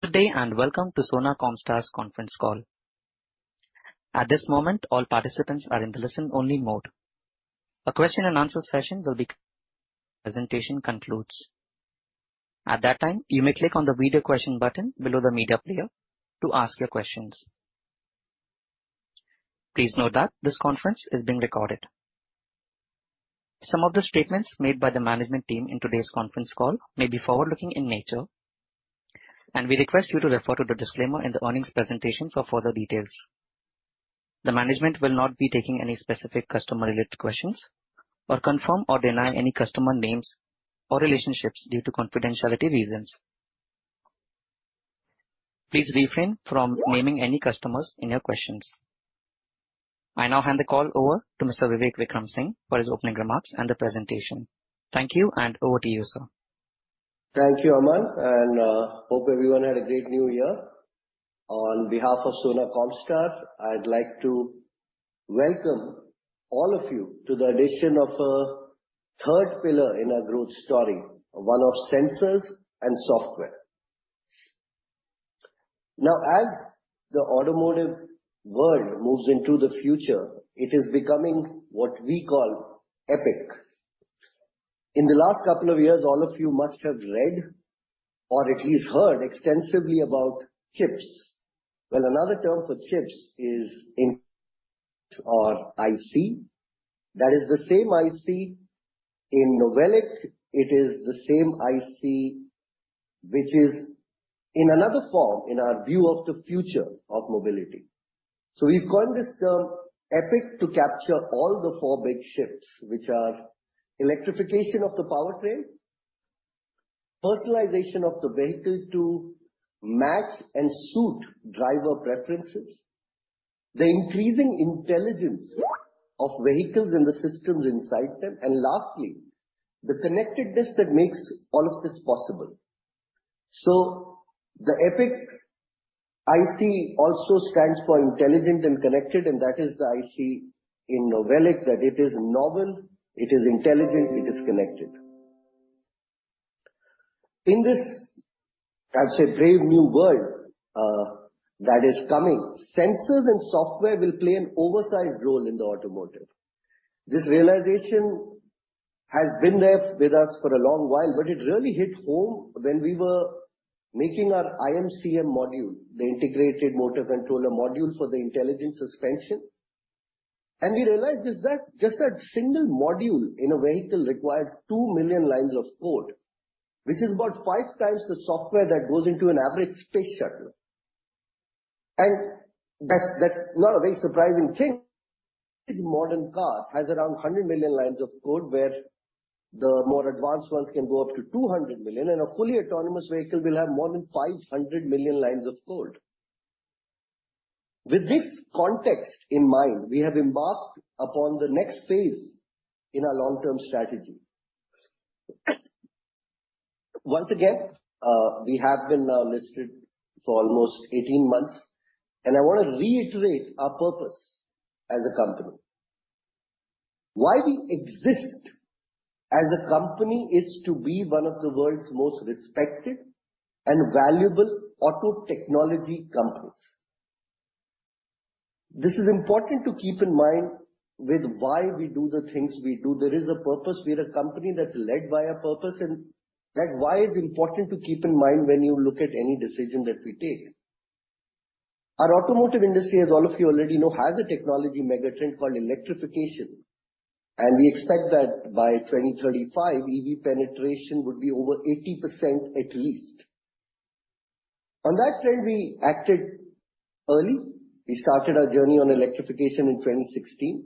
Good day. Welcome to Sona Comstar's conference call. At this moment, all participants are in the listen only mode. A question and answer session will be. Presentation concludes. At that time, you may click on the video question button below the media player to ask your questions. Please note that this conference is being recorded. Some of the statements made by the management team in today's conference call may be forward-looking in nature, and we request you to refer to the disclaimer in the earnings presentation for further details. The management will not be taking any specific customer-related questions or confirm or deny any customer names or relationships due to confidentiality reasons. Please refrain from naming any customers in your questions. I now hand the call over to Mr. Vivek Vikram Singh for his opening remarks and the presentation. Thank you. Over to you, sir. Thank you, Aman, and hope everyone had a great new year. On behalf of Sona Comstar, I'd like to welcome all of you to the addition of a third pillar in our growth story, one of sensors and software. Now, as the automotive world moves into the future, it is becoming what we call EPIC. In the last couple of years, all of you must have read or at least heard extensively about chips. Well, another term for chips is in or IC. That is the same IC. In NOVELIC, it is the same IC, which is in another form in our view of the future of mobility. We've called this term EPIC to capture all the four big shifts, which are electrification of the powertrain, personalization of the vehicle to match and suit driver preferences, the increasing intelligence of vehicles and the systems inside them, and lastly, the connectedness that makes all of this possible. The EPIC IC also stands for intelligent and connected, and that is the IC in NOVELIC, that it is novel, it is intelligent, it is connected. In this, I'd say, brave new world, that is coming, sensors and software will play an oversized role in the automotive. This realization has been there with us for a long while, but it really hit home when we were making our IMCM module, the integrated motor controller module for the intelligent suspension. We realized is that just that single module in a vehicle required 2 million lines of code, which is about 5x the software that goes into an average space shuttle. That's not a very surprising thing. Modern car has around 100 million lines of code, where the more advanced ones can go up to 200 million. A fully autonomous vehicle will have more than 500 million lines of code. With this context in mind, we have embarked upon the next phase in our long-term strategy. Once again, we have been now listed for almost 18 months, and I wanna reiterate our purpose as a company. Why we exist as a company is to be one of the world's most respected and valuable auto technology companies. This is important to keep in mind with why we do the things we do. There is a purpose. We're a company that's led by a purpose, that why is important to keep in mind when you look at any decision that we take. Our automotive industry, as all of you already know, has a technology mega trend called electrification. We expect that by 2035, EV penetration would be over 80% at least. On that trend, we acted early. We started our journey on electrification in 2016.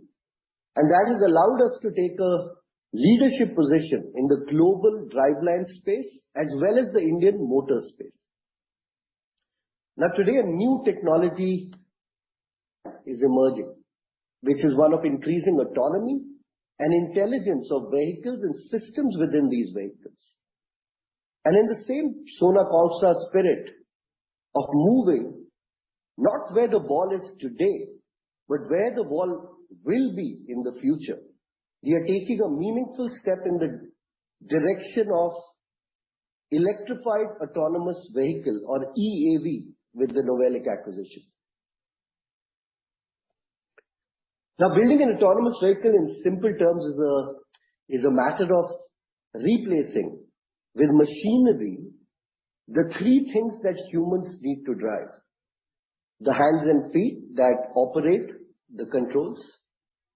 That has allowed us to take a leadership position in the global driveline space as well as the Indian motor space. Today, a new technology is emerging, which is one of increasing autonomy and intelligence of vehicles and systems within these vehicles. In the same Sona Comstar spirit of moving not where the ball is today, but where the ball will be in the future, we are taking a meaningful step in the direction of electrified autonomous vehicle or EAV with the NOVELIC acquisition. Building an autonomous vehicle in simple terms is a matter of replacing with machinery the three things that humans need to drive: the hands and feet that operate the controls,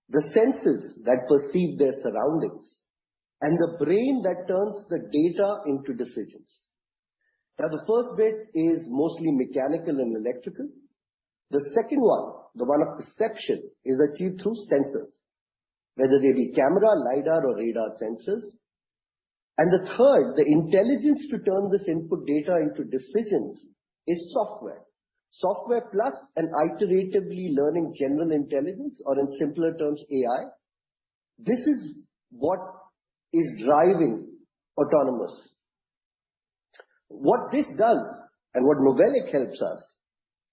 the senses that perceive their surroundings, and the brain that turns the data into decisions. The first bit is mostly mechanical and electrical. The second one, the one of perception, is achieved through sensors, whether they be camera, lidar or radar sensors. The third, the intelligence to turn this input data into decisions is software. Software plus an iteratively learning general intelligence or in simpler terms, AI. This is what is driving autonomous. What this does and what NOVELIC helps us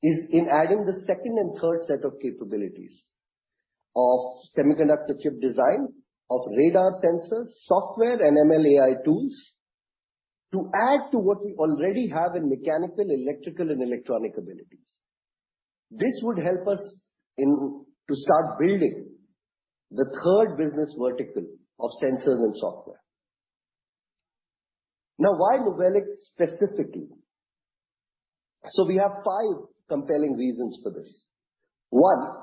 is in adding the second and third set of capabilities of semiconductor chip design, of radar sensors, software and MLAI tools to add to what we already have in mechanical, electrical and electronic abilities. This would help us to start building the third business vertical of sensors and software. Why NOVELIC specifically? We have five compelling reasons for this. One.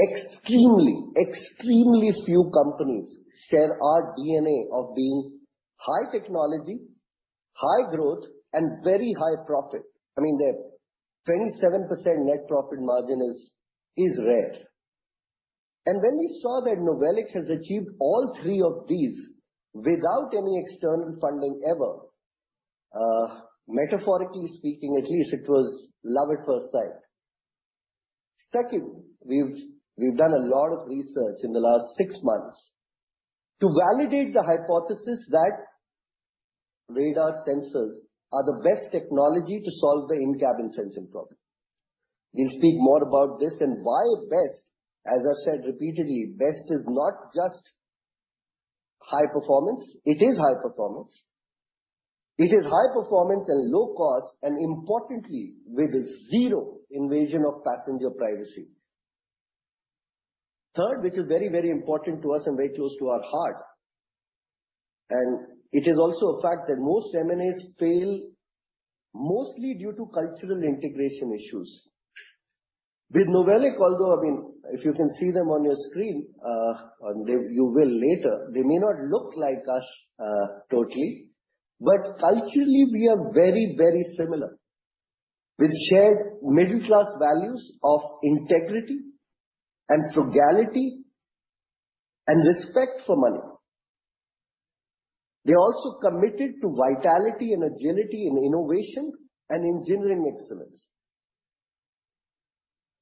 Extremely few companies share our DNA of being high technology, high growth and very high profit. I mean, their 27% net profit margin is rare. When we saw that NOVELIC has achieved all three of these without any external funding ever, metaphorically speaking, at least it was love at first sight. Second, we've done a lot of research in the last six months to validate the hypothesis that radar sensors are the best technology to solve the in-cabin sensing problem. We'll speak more about this and why best. As I said repeatedly, best is not just high performance. It is high performance. It is high performance and low cost, and importantly, with zero invasion of passenger privacy. Third, which is very, very important to us and very close to our heart, and it is also a fact that most M&As fail mostly due to cultural integration issues. With NOVELIC, although, I mean, if you can see them on your screen, and you will later, they may not look like us, totally, but culturally we are very, very similar with shared middle class values of integrity and frugality and respect for money. They're also committed to vitality and agility in innovation and engineering excellence.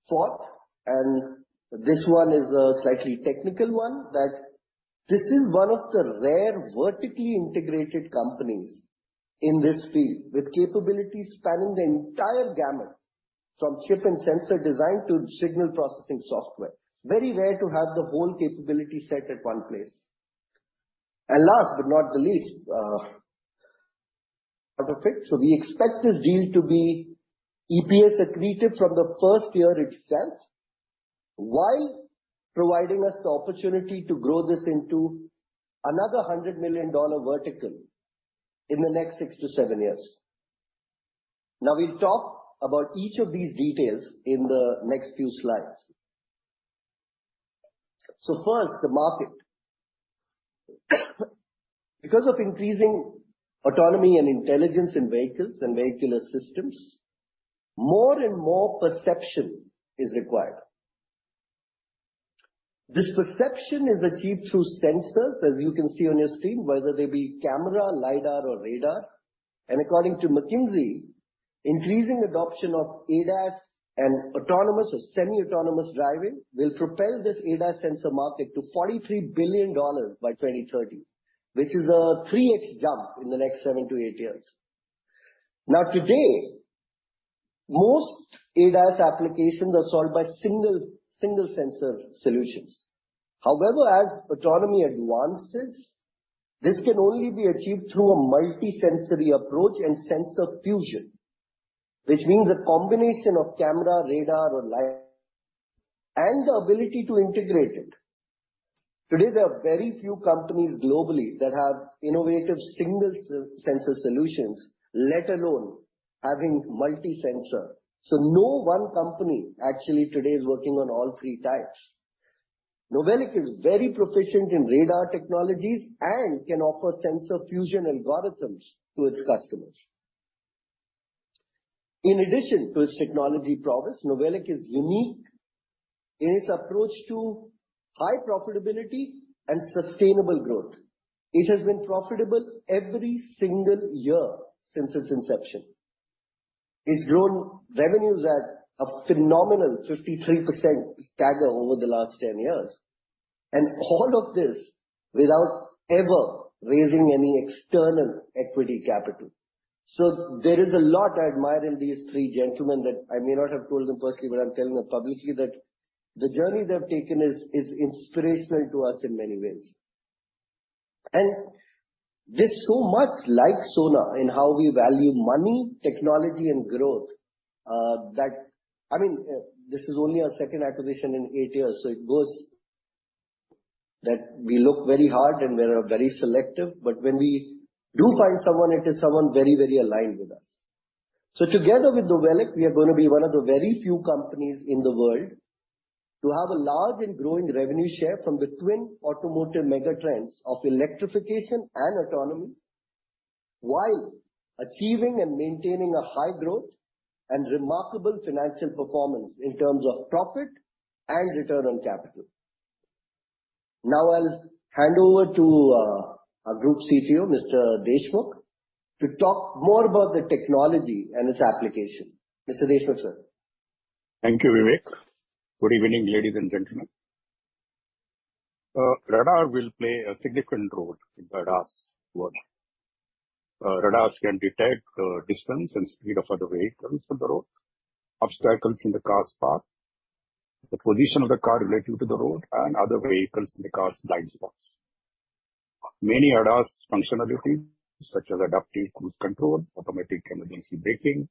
Fourth, this one is a slightly technical one, that this is one of the rare vertically integrated companies in this field with capabilities spanning the entire gamut from chip and sensor design to signal processing software. Very rare to have the whole capability set at one place. Last but not the least, out of it. We expect this deal to be EPS accretive from the first year itself, while providing us the opportunity to grow this into another $100 million vertical in the next six to seven years. We'll talk about each of these details in the next few slides. First, the market. Because of increasing autonomy and intelligence in vehicles and vehicular systems, more and more perception is required. This perception is achieved through sensors, as you can see on your screen, whether they be camera, lidar or radar. According to McKinsey, increasing adoption of ADAS and autonomous or semi-autonomous driving will propel this ADAS sensor market to $43 billion by 2030, which is a 3x jump in the next seven to eight years. Today, most ADAS applications are solved by single sensor solutions. As autonomy advances, this can only be achieved through a multi-sensory approach and sensor fusion, which means a combination of camera, radar or lidar and the ability to integrate it. Today, there are very few companies globally that have innovative single sensor solutions, let alone having multi-sensor. No one company actually today is working on all three types. NOVELIC is very proficient in radar technologies and can offer sensor fusion algorithms to its customers. In addition to its technology prowess, NOVELIC is unique in its approach to high profitability and sustainable growth. It has been profitable every single year since its inception. It's grown revenues at a phenomenal 53% stagger over the last 10 years. All of this without ever raising any external equity capital. There is a lot I admire in these three gentlemen that I may not have told them personally, but I'm telling them publicly that the journey they have taken is inspirational to us in many ways. They're so much like Sona in how we value money, technology and growth, that I mean, this is only our second acquisition in eight years. It goes that we look very hard and we are very selective, but when we do find someone, it is someone very, very aligned with us. Together with NOVELIC, we are going to be one of the very few companies in the world to have a large and growing revenue share from the twin automotive megatrends of electrification and autonomy, while achieving and maintaining a high growth and remarkable financial performance in terms of profit and return on capital. Now I'll hand over to our Group CTO, Mr. Deshmukh, to talk more about the technology and its application. Mr. Deshmukh, sir. Thank you, Vivek. Good evening, ladies and gentlemen. Radar will play a significant role in ADAS world. Radars can detect distance and speed of other vehicles on the road, obstacles in the car's path, the position of the car relative to the road and other vehicles in the car's blind spots. Many ADAS functionality, such as adaptive cruise control, automatic emergency braking,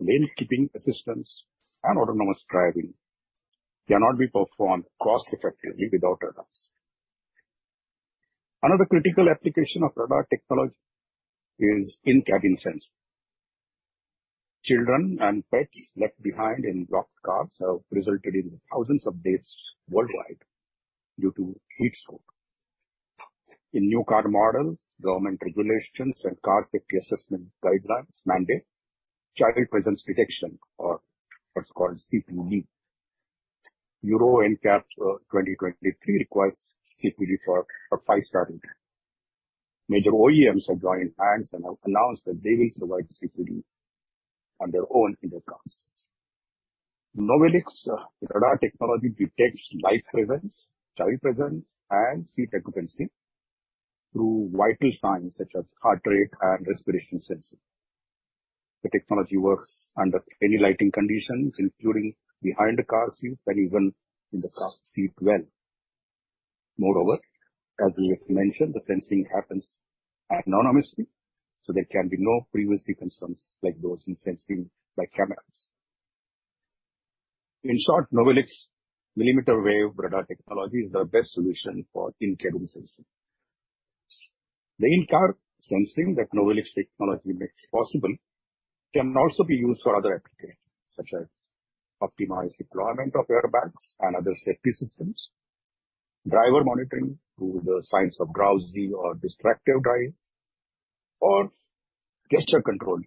lane keeping assistance, and autonomous driving cannot be performed cost effectively without ADAS. Another critical application of radar technology is in-cabin sensing. Children and pets left behind in locked cars have resulted in thousands of deaths worldwide due to heatstroke. In new car models, government regulations and car safety assessment guidelines mandate child presence detection or what's called CPD. Euro NCAP, 2023 requires CPD for a five-star rating. Major OEMs have joined hands and have announced that they will provide CPD on their own in their cars. NOVELIC radar technology detects life presence, child presence, and seat occupancy through vital signs such as heart rate and respiration sensing. The technology works under any lighting conditions, including behind the car seats and even in the car's seat well. Moreover, as we have mentioned, the sensing happens anonymously, so there can be no privacy concerns like those in sensing by cameras. In short, NOVELIC millimeter wave radar technology is the best solution for in-cabin sensing. The in-car sensing that NOVELIC technology makes possible can also be used for other applications, such as optimized deployment of airbags and other safety systems, driver monitoring through the signs of drowsy or distracted drives, or gesture control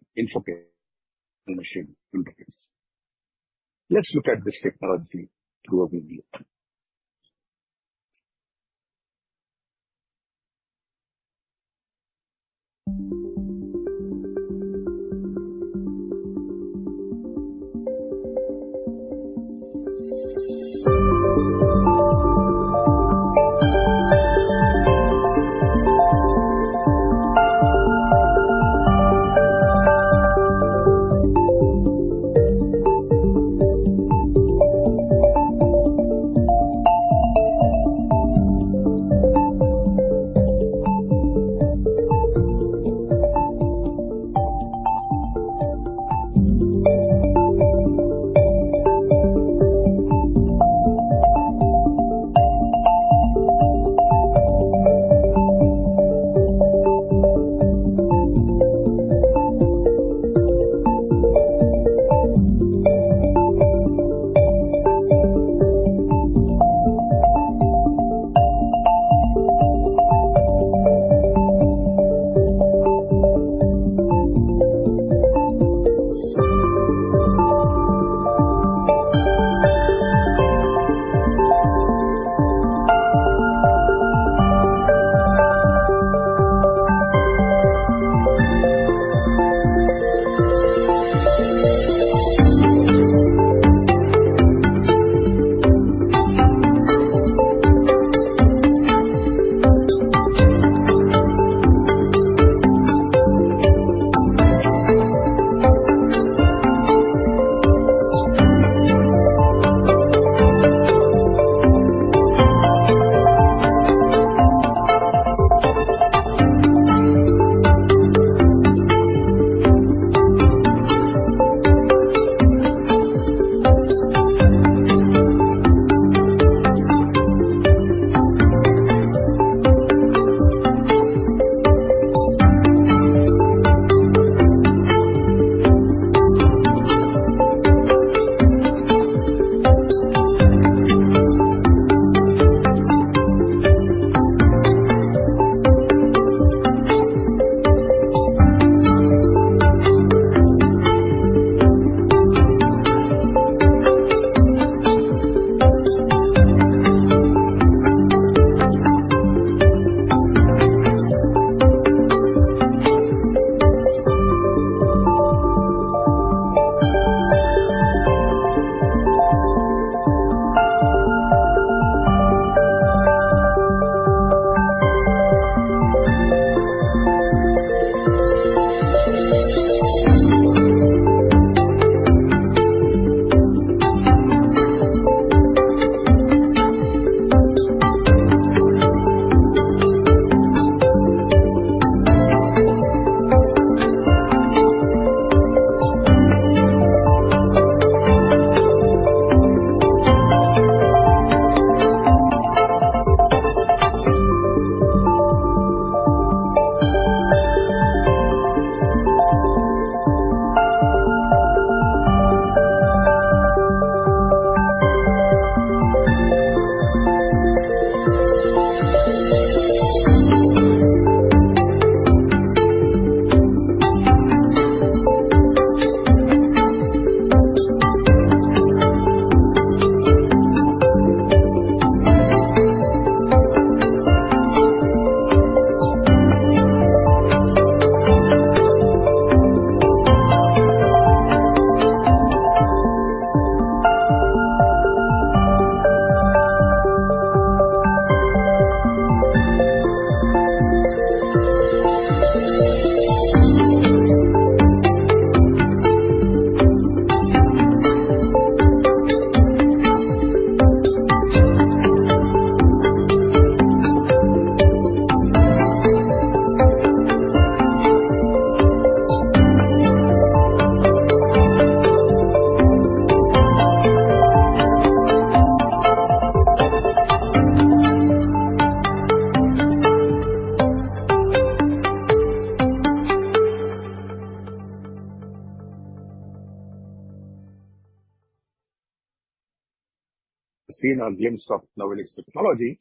infotainment machine interface. Let's look at this technology through a video. Seen a glimpse of NOVELIC's technology.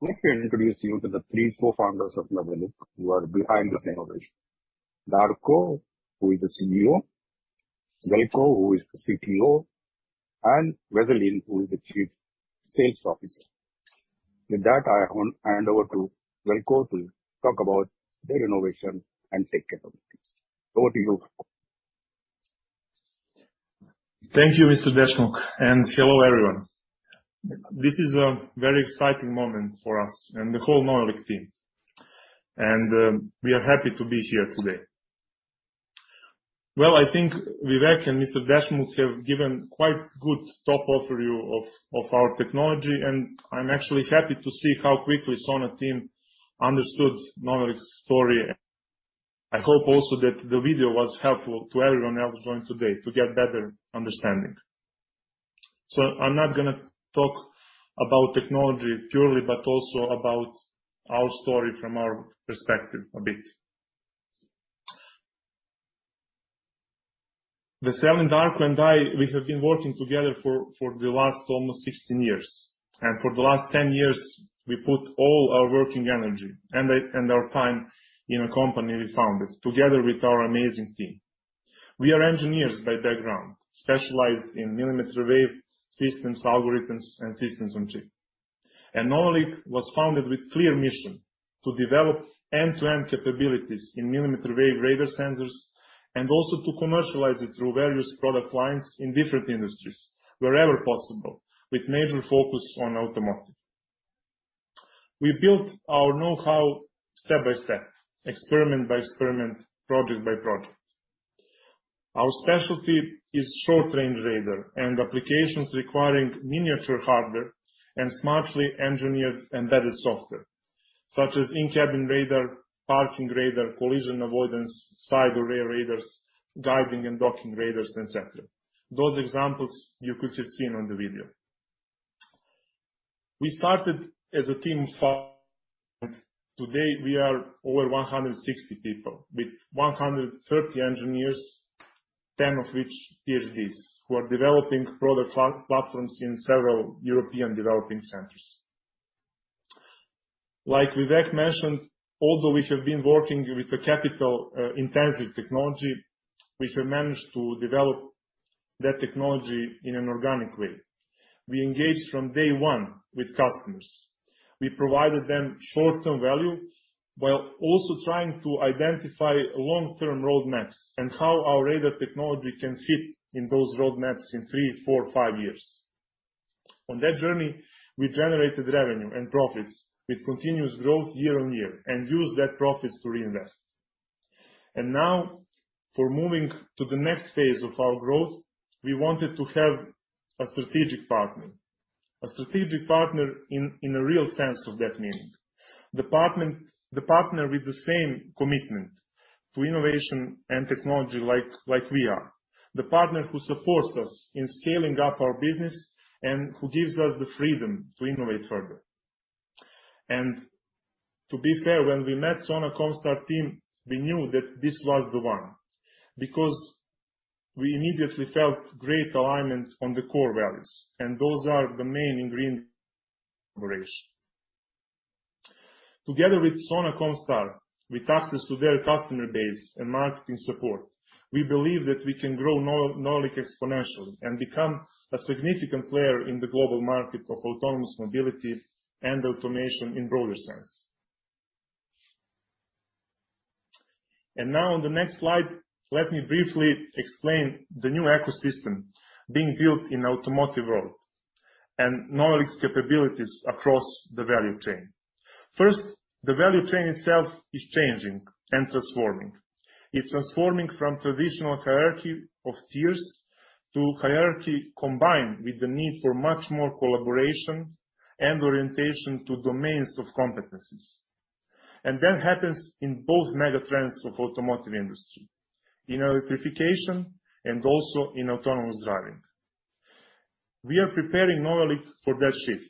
Let me introduce you to the three cofounders of NOVELIC who are behind this innovation. Darko, who is the CEO. Veljko, who is the CTO. Veselin, who is the Chief Sales Officer. With that, I hand over to Veljko to talk about their innovation and tech capabilities. Over to you. Thank you, Mr. Deshmukh. Hello, everyone. This is a very exciting moment for us and the whole NOVELIC team. We are happy to be here today. Well, I think Vivek and Mr. Deshmukh have given quite good top overview of our technology, and I'm actually happy to see how quickly Sona team understood NOVELIC's story. I hope also that the video was helpful to everyone that was joined today to get better understanding. I'm not gonna talk about technology purely, but also about our story from our perspective a bit. Veselin, Darko and I, we have been working together for the last almost 16 years. For the last 10 years, we put all our working energy and our time in a company we founded together with our amazing team. We are engineers by background, specialized in millimeter wave systems algorithms and systems on chip. NOVELIC was founded with clear mission to develop end-to-end capabilities in millimeter wave radar sensors and also to commercialize it through various product lines in different industries wherever possible. With major focus on automotive. We built our know-how step by step, experiment by experiment, project by project. Our specialty is short range radar and applications requiring miniature hardware and smartly engineered embedded software, such as in-cabin radar, parking radar, collision avoidance, side/rear radars, guiding and docking radars, et cetera. Those examples you could have seen on the video. We started as a team of five. Today we are over 160 people, with 130 engineers, 10 of which Ph.D.s, who are developing product platforms in several European developing centers. Like Vivek mentioned, although we have been working with a capital intensive technology, we have managed to develop that technology in an organic way. We engaged from day one with customers. We provided them short-term value while also trying to identify long-term roadmaps and how our radar technology can fit in those roadmaps in three, four, five years. On that journey, we generated revenue and profits with continuous growth year-on-year and used that profits to reinvest. Now, for moving to the next phase of our growth, we wanted to have a strategic partner. A strategic partner in a real sense of that meaning. The partner with the same commitment to innovation and technology like we are. The partner who supports us in scaling up our business and who gives us the freedom to innovate further. To be fair, when we met Sona Comstar team, we knew that this was the one. We immediately felt great alignment on the core values, and those are the main in green in the presentation. Together with Sona Comstar, with access to their customer base and marketing support, we believe that we can grow NOVELIC exponentially and become a significant player in the global market of autonomous mobility and automation in broader sense. Now on the next slide, let me briefly explain the new ecosystem being built in automotive world and NOVELIC's capabilities across the value chain. First, the value chain itself is changing and transforming. It's transforming from traditional hierarchy of tiers to hierarchy combined with the need for much more collaboration and orientation to domains of competencies. That happens in both mega trends of automotive industry, in electrification and also in autonomous driving. We are preparing NOVELIC for that shift.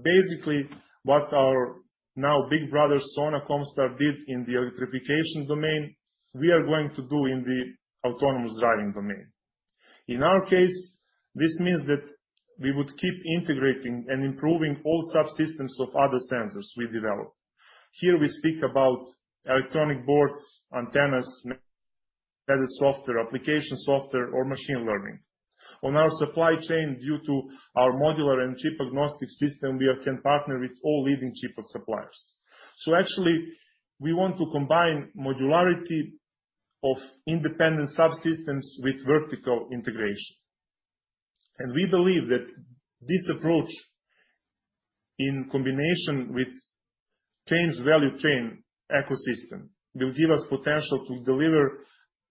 Basically, what our now big brother, Sona Comstar, did in the electrification domain, we are going to do in the autonomous driving domain. In our case, this means that we would keep integrating and improving all subsystems of other sensors we developed. Here we speak about electronic boards, antennas, embedded software, application software, or machine learning. On our supply chain, due to our modular and chip agnostic system, we can partner with all leading chip suppliers. Actually we want to combine modularity of independent subsystems with vertical integration. We believe that this approach, in combination with changed value chain ecosystem, will give us potential to deliver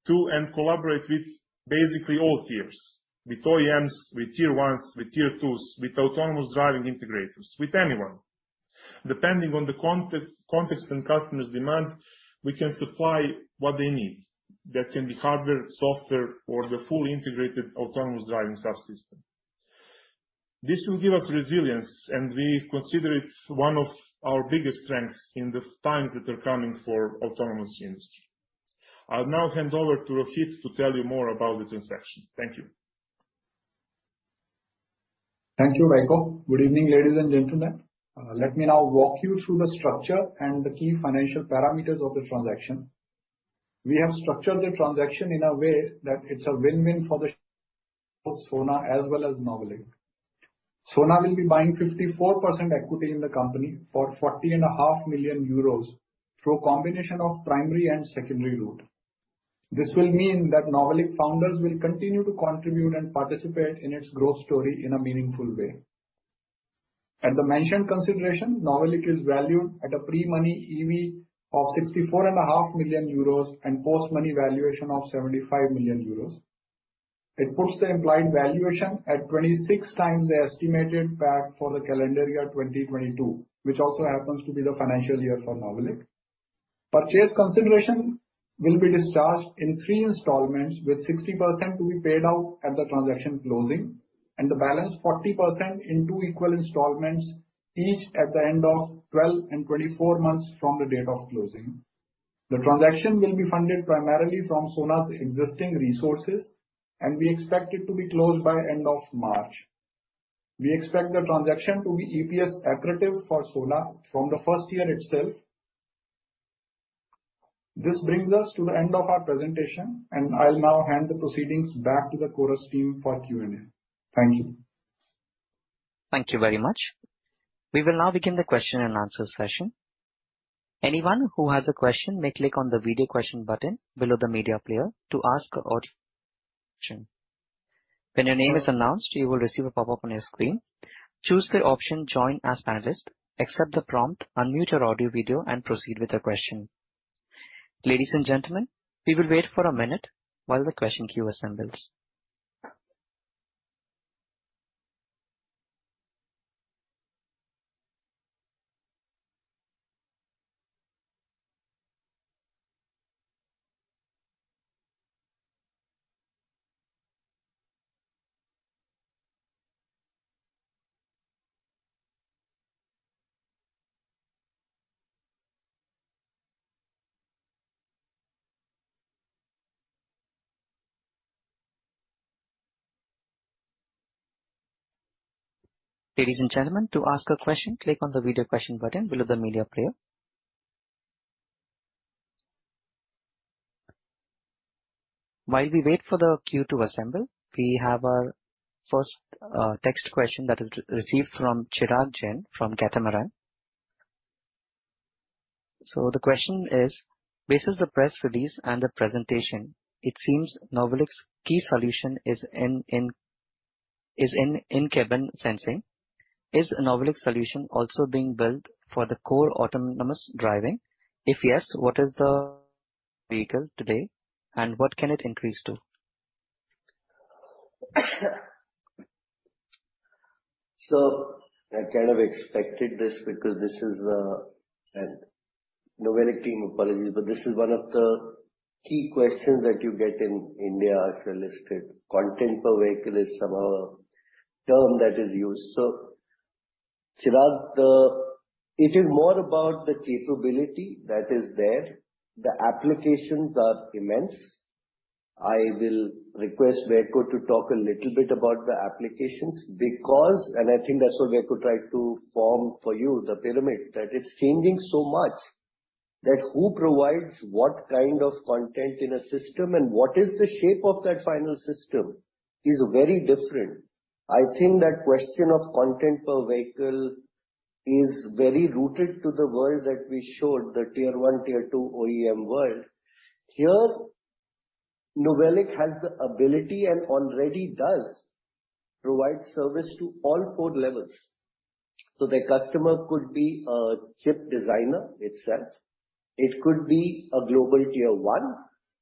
to and collaborate with basically all tiers. With OEMs, with tier ones, with tier twos, with autonomous driving integrators, with anyone. Depending on the context and customer's demand, we can supply what they need. That can be hardware, software, or the fully integrated autonomous driving subsystem. This will give us resilience, and we consider it one of our biggest strengths in the times that are coming for autonomous industry. I'll now hand over to Rohit to tell you more about the transaction. Thank you. Thank you, Veljko. Good evening, ladies and gentlemen. Let me now walk you through the structure and the key financial parameters of the transaction. We have structured the transaction in a way that it's a win-win for the both Sona as well as NOVELIC. Sona will be buying 54% equity in the company for forty and a half million euros through a combination of primary and secondary route. This will mean that NOVELIC founders will continue to contribute and participate in its growth story in a meaningful way. At the mentioned consideration, NOVELIC is valued at a pre-money EV of sixty-four and a half million euros and post-money valuation of 75 million euros. It puts the implied valuation at 26x the estimated PAT for the calendar year 2022, which also happens to be the financial year for NOVELIC. Purchase consideration will be discharged in three installments, with 60% to be paid out at the transaction closing and the balance 40% in two equal installments, each at the end of 12 and 24 months from the date of closing. The transaction will be funded primarily from Sona's existing resources, and we expect it to be closed by end of March. We expect the transaction to be EPS accretive for Sona from the first year itself. This brings us to the end of our presentation, and I'll now hand the proceedings back to the Chorus team for Q&A. Thank you. Thank you very much. We will now begin the question and answer session. Anyone who has a question may click on the video question button below the media player to ask an audio question. When your name is announced, you will receive a pop-up on your screen. Choose the option Join as Panelist, accept the prompt, unmute your audio/video, and proceed with your question. Ladies and gentlemen, we will wait for a minute while the question queue assembles. Ladies and gentlemen, to ask a question, click on the video question button below the media player. While we wait for the queue to assemble, we have our first text question that is received from Chirag Jain from Catamaran. The question is: Based on the press release and the presentation, it seems NOVELIC's key solution is in in-cabin sensing. Is NOVELIC's solution also being built for the core autonomous driving? If yes, what is the vehicle today, and what can it increase to? I kind of expected this because this is. NOVELIC team, apologies, but this is one of the key questions that you get in India as you're listed. Content per vehicle is somehow a term that is used. Chirag, it is more about the capability that is there. The applications are immense. I will request Veljko to talk a little bit about the applications because, and I think that's why Veljko tried to form for you the pyramid, that it's changing so much, that who provides what kind of content in a system and what is the shape of that final system is very different. I think that question of content per vehicle is very rooted to the world that we showed, the tier one, tier two OEM world. Here, NOVELIC has the ability and already does provide service to all four levels. The customer could be a chip designer itself, it could be a global tier one,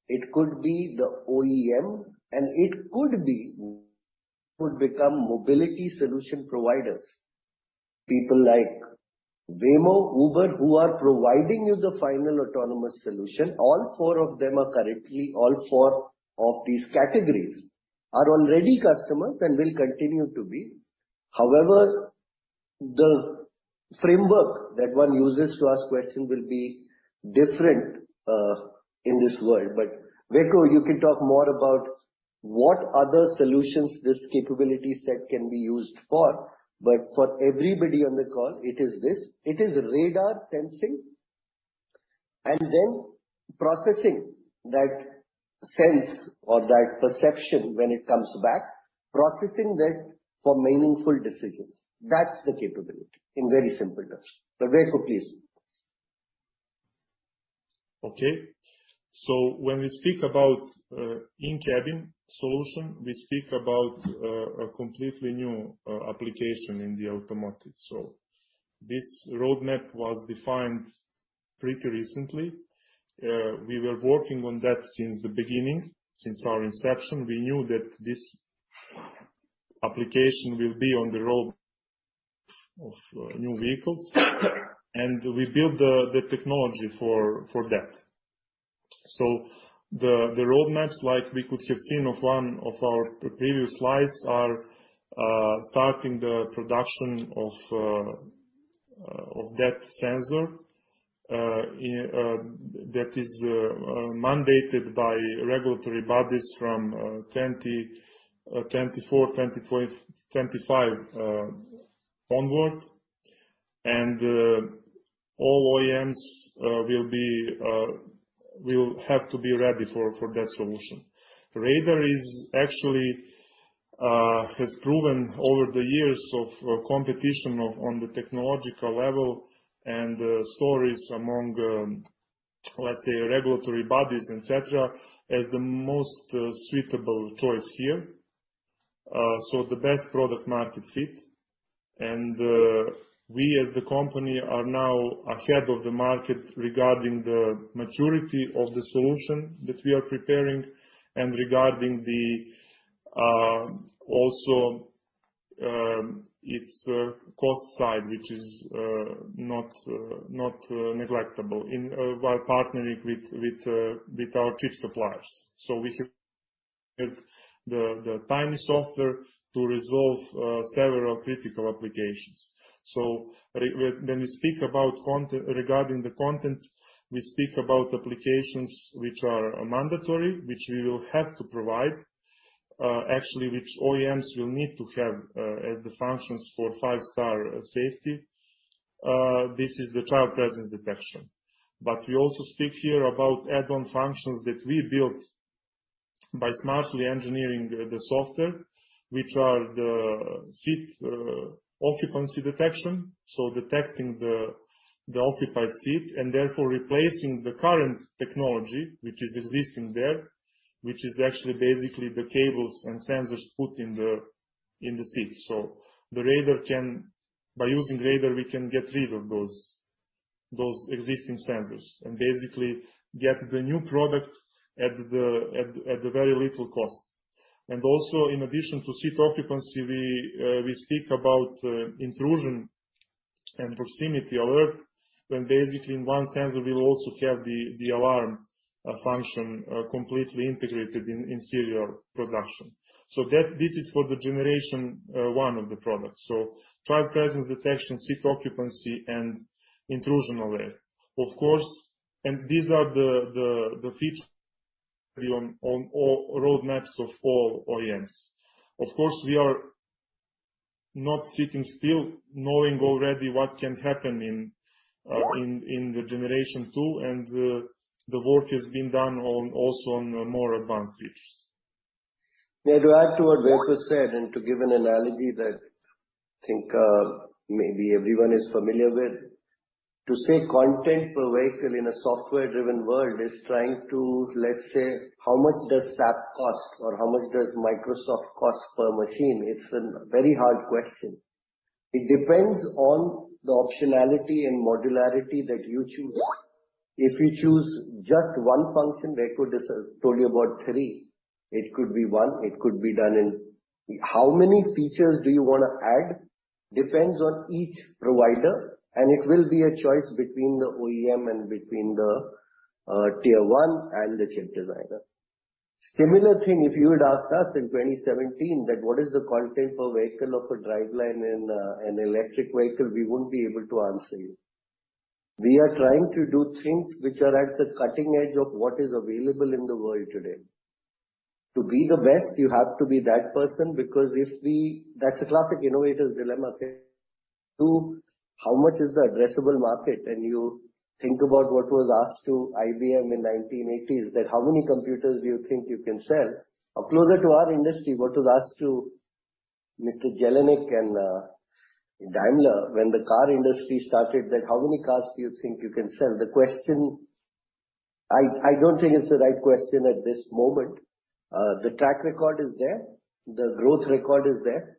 it could be the OEM, and it could become mobility solution providers. People like Waymo, Uber, who are providing you the final autonomous solution. All four of these categories are already customers and will continue to be. However, the framework that one uses to ask question will be different in this world. Veljko, you can talk more about what other solutions this capability set can be used for, but for everybody on the call, it is this. It is radar sensing and then processing that perception when it comes back, processing that for meaningful decisions. That's the capability in very simple terms. Veljko, please. Okay. When we speak about in-cabin solution, we speak about a completely new application in the automotive. This roadmap was defined pretty recently. We were working on that since the beginning. Since our inception, we knew that this application will be on the road of new vehicles, and we build the technology for that. The roadmaps like we could have seen of one of our previous slides are starting the production of that sensor. That is mandated by regulatory bodies from 2024, 2025 onward. All OEMs will have to be ready for that solution. Radar is actually has proven over the years of competition of on the technological level and stories among, let's say regulatory bodies, et cetera, as the most suitable choice here. The best product market fit. We as the company are now ahead of the market regarding the maturity of the solution that we are preparing and regarding the also its cost side, which is not not negligible in while partnering with with with our chip suppliers. We have the tiny software to resolve several critical applications. When we speak about regarding the content, we speak about applications which are mandatory, which we will have to provide, actually, which OEMs will need to have as the functions for five-star safety. This is the child presence detection. We also speak here about add-on functions that we built by smartly engineering the software, which are the seat occupancy detection, so detecting the occupied seat and therefore replacing the current technology which is existing there, which is actually basically the cables and sensors put in the seat. By using radar, we can get rid of those existing sensors and basically get the new product at a very little cost. Also, in addition to seat occupancy, we speak about intrusion and proximity alert, when basically in one sensor we will also have the alarm function completely integrated in serial production. This is for the generation 1 of the products. Child presence detection, seat occupancy and intrusion alert. These are the features on all roadmaps of all OEMs. Of course, we are not sitting still knowing already what can happen in the generation 2, the work is being done on also on more advanced features. May I add to what Veljko said, and to give an analogy that I think maybe everyone is familiar with. To say content per vehicle in a software driven world is trying to, let's say, how much does SAP cost or how much does Microsoft cost per machine? It's a very hard question. It depends on the optionality and modularity that you choose. If you choose just one function, Veljko just told you about three, it could be one. How many features do you wanna add depends on each provider, and it will be a choice between the OEM and between the tier one and the chip designer. Similar thing, if you had asked us in 2017 that what is the content per vehicle of a driveline in an electric vehicle, we wouldn't be able to answer you. We are trying to do things which are at the cutting edge of what is available in the world today. To be the best, you have to be that person, because. That's a classic innovator's dilemma, okay? To how much is the addressable market, and you think about what was asked to IBM in 1980s, that how many computers do you think you can sell? Closer to our industry, what was asked to Mr. Jellinek and Daimler when the car industry started, that how many cars do you think you can sell? The question, I don't think it's the right question at this moment. The track record is there. The growth record is there.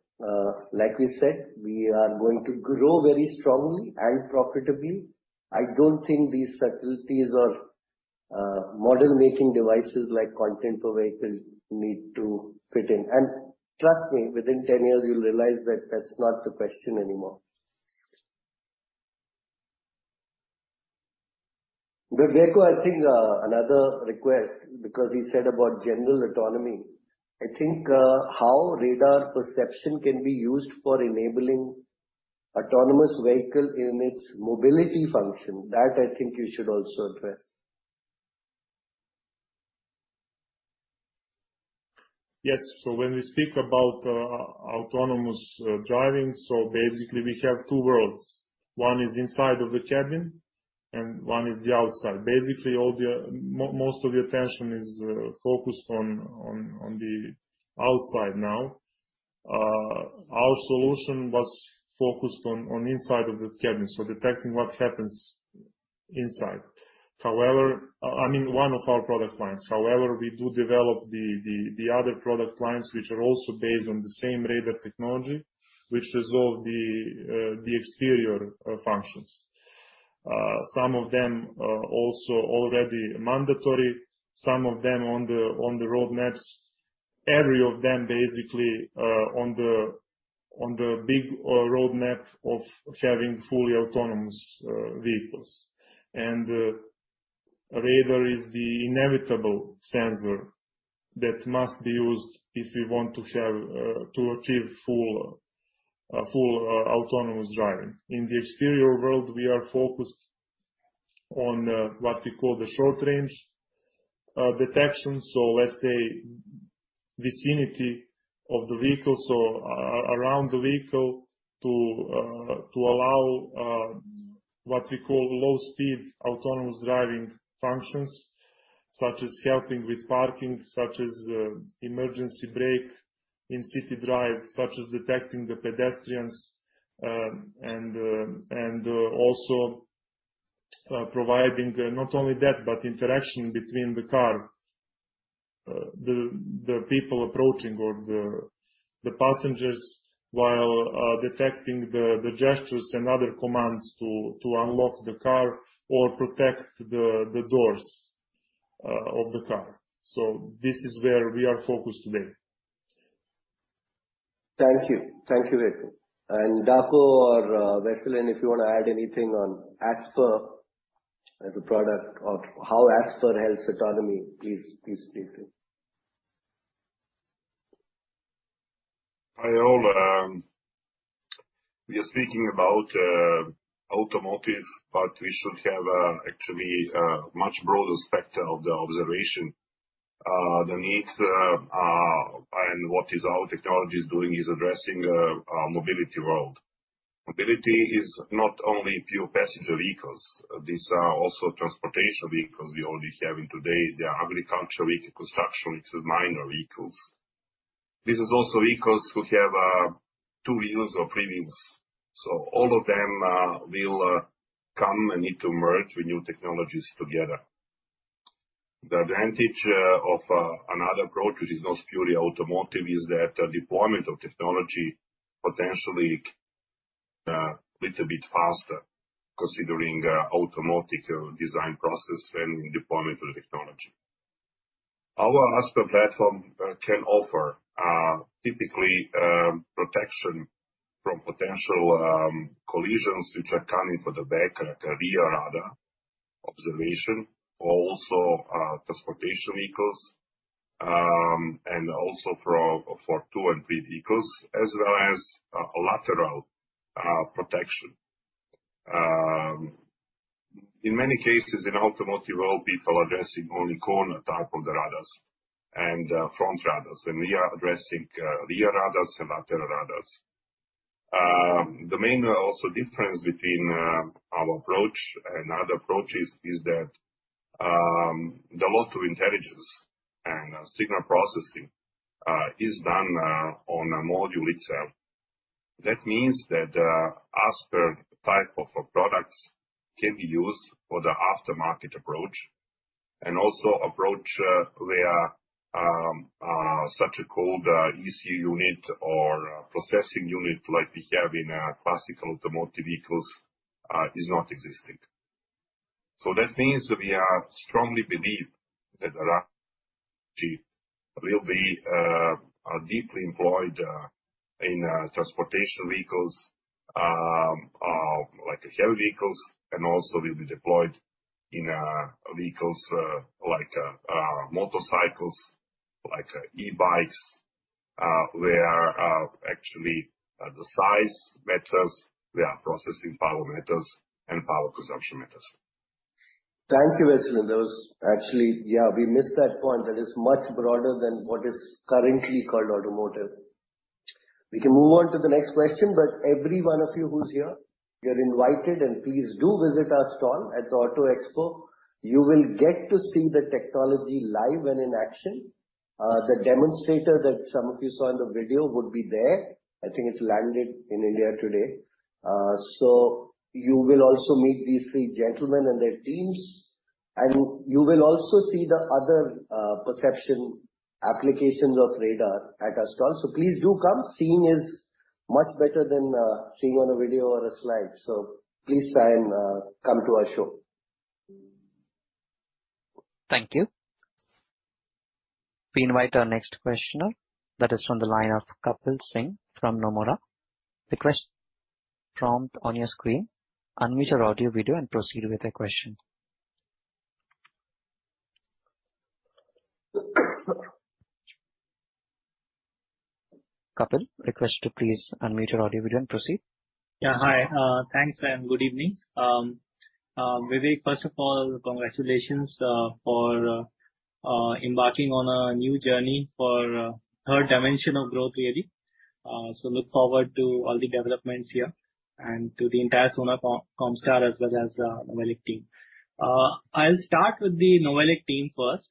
Like we said, we are going to grow very strongly and profitably. I don't think these subtleties or model-making devices like content per vehicle need to fit in. Trust me, within 10 years you'll realize that that's not the question anymore. Veljko, I think, another request because he said about general autonomy. I think, how radar perception can be used for enabling autonomous vehicle in its mobility function. That I think you should also address. Yes. When we speak about, autonomous driving, so basically we have two worlds. One is inside of the cabin and one is the outside. Most of the attention is focused on the outside now. Our solution was focused on inside of the cabin, so detecting what happens inside. I mean, one of our product lines. We do develop the other product lines which are also based on the same radar technology, which resolve the exterior functions. Some of them are also already mandatory. Some of them on the roadmaps. Every of them basically, on the big roadmap of having fully autonomous vehicles. Radar is the inevitable sensor that must be used if we want to have to achieve full autonomous driving. In the exterior world, we are focused on what we call the short range detection. Let's say vicinity of the vehicle, so around the vehicle to allow what we call low speed autonomous driving functions, such as helping with parking, such as emergency brake in city drive, such as detecting the pedestrians, and also providing not only that, but interaction between the car. The people approaching or the passengers while detecting the gestures and other commands to unlock the car or protect the doors of the car. This is where we are focused today. Thank you. Thank you, Veljko. Darko or Veselin, if you wanna add anything on ASPER as a product or how ASPER helps autonomy, please speak to it. Hi, all. We are speaking about automotive, but we should have actually much broader specter of the observation. The needs are and what is our technologies doing is addressing mobility world. Mobility is not only pure passenger vehicles. These are also transportation vehicles we already have in today. There are agriculture vehicle, construction vehicles, miner vehicles. This is also vehicles who have two wheels or three wheels. All of them will come and need to merge with new technologies together. The advantage of another approach, which is not purely automotive, is that the deployment of technology potentially little bit faster considering automotive design process and deployment of the technology. Our ASPER platform can offer, typically, protection from potential collisions which are coming for the back, like a rear radar observation. Also, transportation vehicles, and also for two and three vehicles as well as a lateral protection. In many cases in automotive world, people are addressing only corner type of the radars and front radars. We are addressing rear radars and lateral radars. The main also difference between our approach and other approaches is that the lot of intelligence and signal processing is done on the module itself. That means that ASPER type of products can be used for the aftermarket approach and also approach where such a called ECU unit or processing unit like we have in classic automotive vehicles is not existing. That means that we strongly believe that our technology will be deeply employed in transportation vehicles, like heavy vehicles and also will be deployed in vehicles, like motorcycles, like e-bikes, where actually the size matters, where processing power matters and power consumption matters. Thank you, Veselin. That was actually. Yeah, we missed that point. That is much broader than what is currently called automotive. We can move on to the next question, but every one of you who's here, you're invited, and please do visit our stall at the Auto Expo. You will get to see the technology live and in action. The demonstrator that some of you saw in the video would be there. I think it's landed in India today. You will also meet these three gentlemen and their teams, and you will also see the other perception applications of radar at our stall. Please do come. Seeing is much better than seeing on a video or a slide. Please try and come to our show. Thank you. We invite our next questioner. That is from the line of Kapil Singh from Nomura. The quest prompt on your screen. Unmute your audio, video and proceed with your question. Kapil, request to please unmute your audio and then proceed. Yeah. Hi. Thanks and good evening. Vivek, first of all, congratulations for embarking on a new journey for third dimension of growth really. Look forward to all the developments here and to the entire Sona Comstar as well as the NOVELIC team. I'll start with the NOVELIC team first.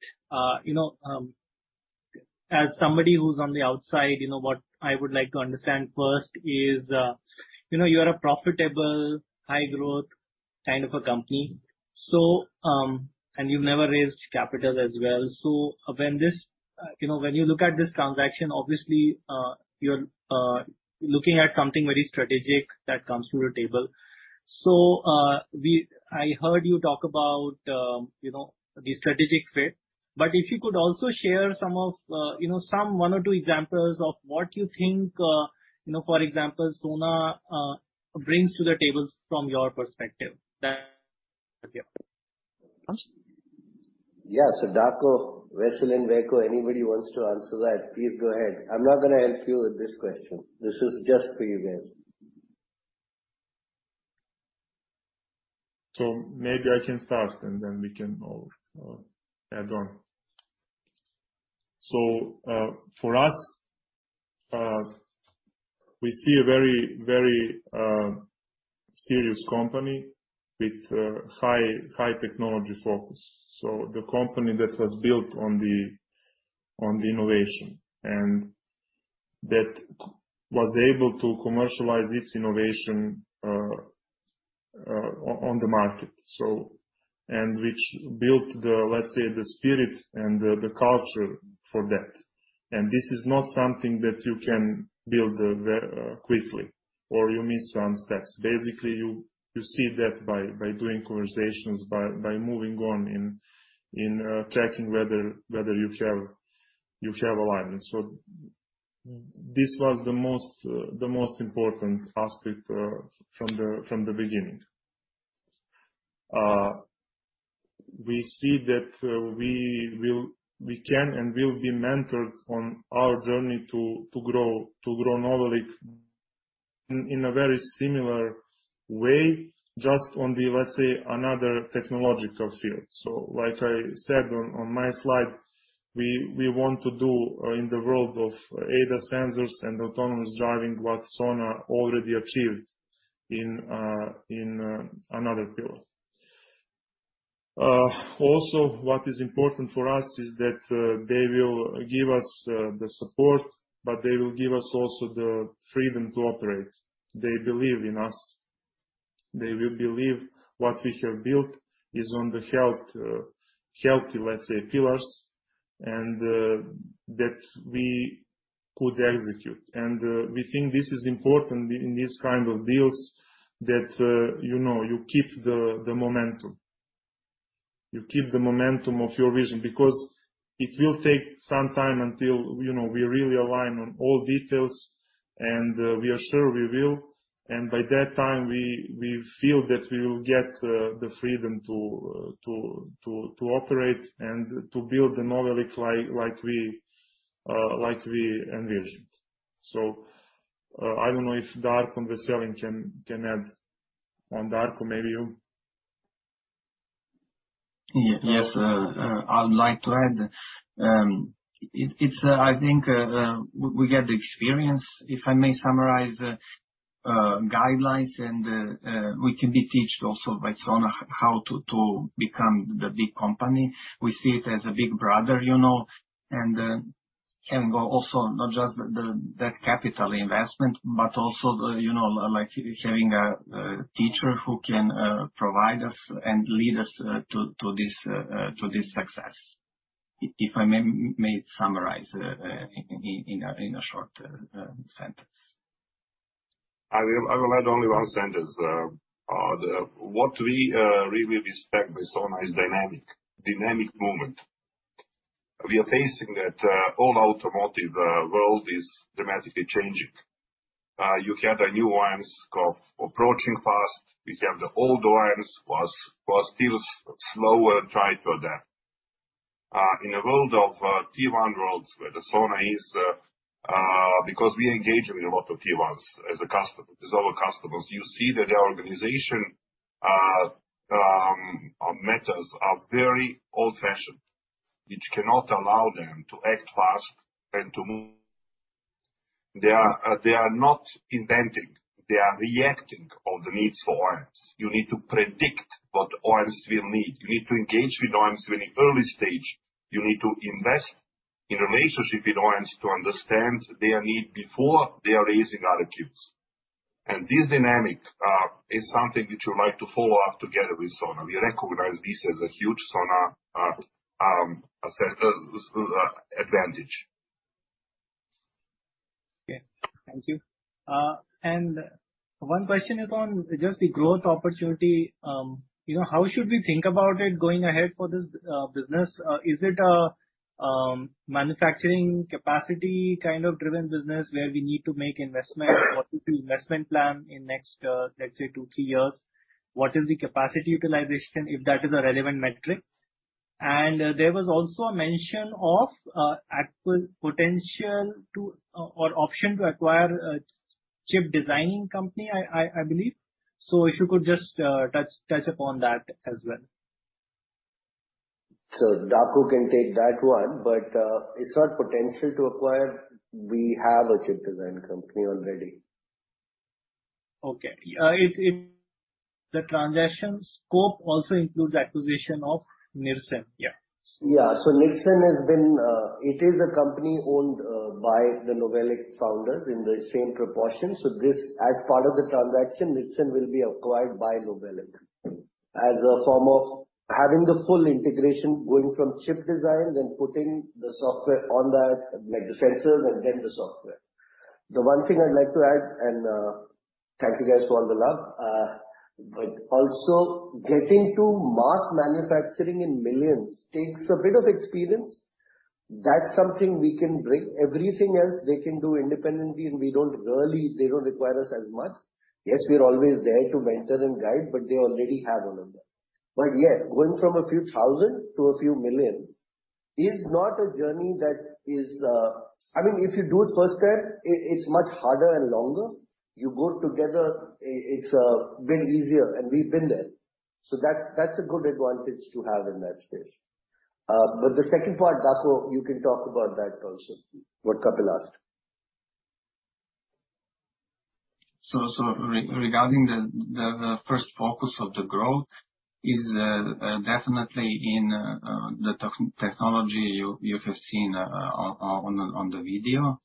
You know, as somebody who's on the outside, you know, what I would like to understand first is, you know, you are a profitable high growth kind of a company. And you've never raised capital as well. When you look at this transaction, obviously, you're looking at something very strategic that comes to your table. I heard you talk about, you know, the strategic fit, but if you could also share some of, you know, some one or two examples of what you think, you know, for example, Sona, brings to the table from your perspective? Yeah. Darko, Veselin, Veljko, anybody wants to answer that, please go ahead. I'm not gonna help you with this question. This is just for you guys. Maybe I can start, and then we can all add on. For us, we see a very, very serious company with a high, high technology focus. The company that was built on the innovation and that was able to commercialize its innovation on the market. Which built, let's say, the spirit and the culture for that. This is not something that you can build very quickly or you miss some steps. Basically, you see that by doing conversations, by moving on in checking whether you have alignment. This was the most important aspect from the beginning. We see that, we will... we can and will be mentored on our journey to grow NOVELIC in a very similar way, just on the, let's say, another technological field. Like I said on my slide, we want to do in the world of ADAS sensors and autonomous driving, what Sona already achieved in another field. What is important for us is that they will give us the support, but they will give us also the freedom to operate. They believe in us. They will believe what we have built is on the health, healthy, let's say pillars, and that we could execute. We think this is important in these kind of deals that, you know, you keep the momentum. You keep the momentum of your vision because it will take some time until, you know, we really align on all details. We are sure we will. By that time, we feel that we will get the freedom to operate and to build the NOVELIC like we envisioned. I don't know if Darko and Veselin can add. Darko, maybe you. Yes. I would like to add. It's, I think, we get the experience, if I may summarize, guidelines and, we can be teached also by Sona how to become the big company. We see it as a big brother, you know, and go also not just the that capital investment, but also the, you know, like having a teacher who can provide us and lead us to this success. If I may summarize, in a short, sentence. I will add only one sentence. What we really respect with Sona is dynamic. Dynamic movement. We are facing that all automotive world is dramatically changing. You have the new OEMs approaching fast. We have the old OEMs was still slower and try to adapt. In a world of Tier One worlds where the Sona is, because we engage with a lot of Tier Ones as a customer, as our customers, you see that their organization matters are very old-fashioned, which cannot allow them to act fast and to move. They are not inventing, they are reacting on the needs for OEMs. You need to predict what OEMs will need. You need to engage with OEMs in the early stage. You need to invest in relationship with OEMs to understand their need before they are raising RFQs. This dynamic is something which we'd like to follow up together with Sona. We recognize this as a huge Sona asset advantage. Yeah. Thank you. One question is on just the growth opportunity. You know, how should we think about it going ahead for this business? Is it a manufacturing capacity kind of driven business where we need to make investment? What is the investment plan in next, let's say two, three years? What is the capacity utilization, if that is a relevant metric? There was also a mention of actual potential to or option to acquire a chip designing company, I believe. If you could just touch upon that as well. Darko can take that one, but, it's not potential to acquire. We have a chip design company already. Okay. The transaction scope also includes acquisition of NIRSEN, yeah. It is a company owned by the NOVELIC founders in the same proportion. This, as part of the transaction, NIRSEN will be acquired by NOVELIC as a form of having the full integration going from chip designs and putting the software on that, like the sensors and then the software. The one thing I'd like to add, and thank you guys for all the love, but also getting to mass manufacturing in millions takes a bit of experience. That's something we can bring. Everything else they can do independently, and they don't require us as much. Yes, we are always there to mentor and guide, but they already have all of that. Yes, going from a few thousand to a few million is not a journey that is. I mean, if you do it first time, it's much harder and longer. You go together, it's bit easier, and we've been there. That's, that's a good advantage to have in that space. The second part, Darko, you can talk about that also, what Kapil asked. Regarding the first focus of the growth is definitely in the technology you have seen on the video.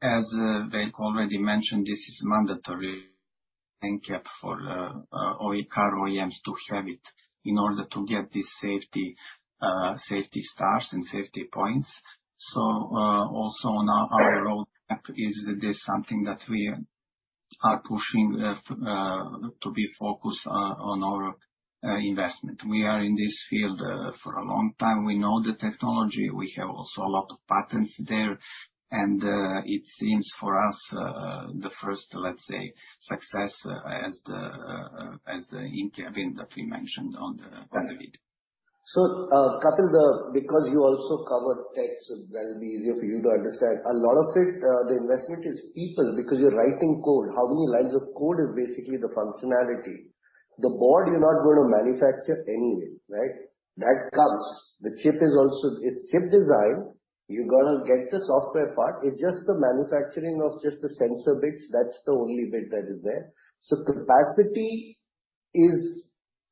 As Vivek already mentioned, this is mandatory in-cab for OE, car OEMs to have it in order to get this safety stars and safety points. Also on our roadmap is this something that we are pushing to be focused on our investment. We are in this field for a long time. We know the technology. We have also a lot of patents there. It seems for us the first, let's say, success as the in-cabin that we mentioned on the video. Kapil, because you also cover tech, so that'll be easier for you to understand. A lot of it, the investment is people, because you're writing code. How many lines of code is basically the functionality. The board you're not gonna manufacture anyway, right? That comes. The chip is also. It's chip design. You're gonna get the software part. It's just the manufacturing of just the sensor bits. That's the only bit that is there. Capacity is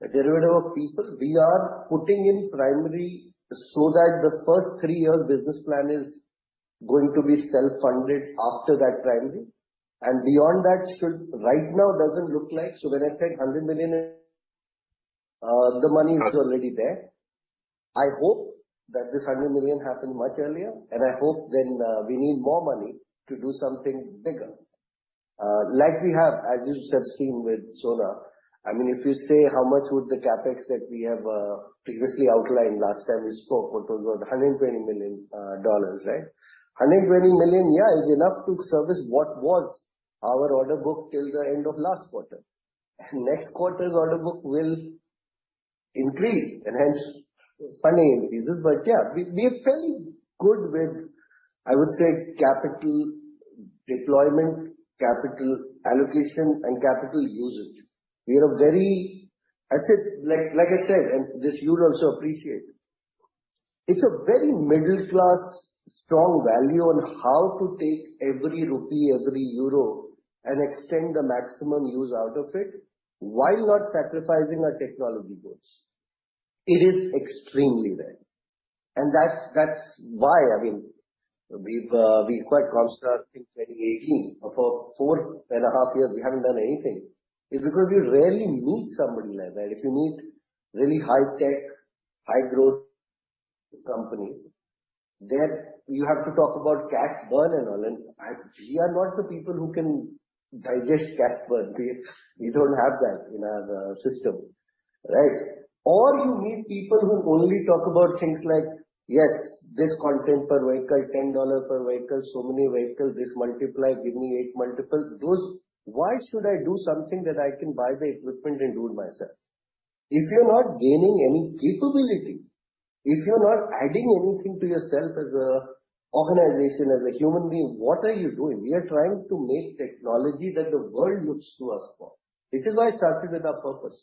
a derivative of people. We are putting in primary so that the first three-year business plan is going to be self-funded after that primary. Beyond that should. Right now doesn't look like. When I said $100 million, the money is already there. I hope that this $100 million happen much earlier. I hope then we need more money to do something bigger. Like we have, as you should have seen with Sona. I mean, if you say how much would the CapEx that we have previously outlined last time we spoke, which was $120 million, right? $120 million, yeah, is enough to service what was our order book till the end of last quarter. Next quarter's order book will increase, and hence funding increases. Yeah, we're feeling good with, I would say, capital deployment, capital allocation and capital usage. Like I said, and this you'd also appreciate. It's a very middle-class strong value on how to take every INR, every EUR and extend the maximum use out of it while not sacrificing our technology goals. It is extremely rare. That's, that's why, I mean, we've, we're quite concerned since 2018. For four and a half years we haven't done anything is because we rarely meet somebody like that. If you meet really high tech, high growth companies, then you have to talk about cash burn and all, and We are not the people who can digest cash burn. We don't have that in our system, right? You meet people who only talk about things like, "Yes, this content per vehicle, 10 INR per vehicle, so many vehicles, this multiply, give me 8x multiple." Those, why should I do something that I can buy the equipment and do it myself? If you're not gaining any capability, if you're not adding anything to yourself as an organization, as a human being, what are you doing? We are trying to make technology that the world looks to us for. This is why I started with our purpose.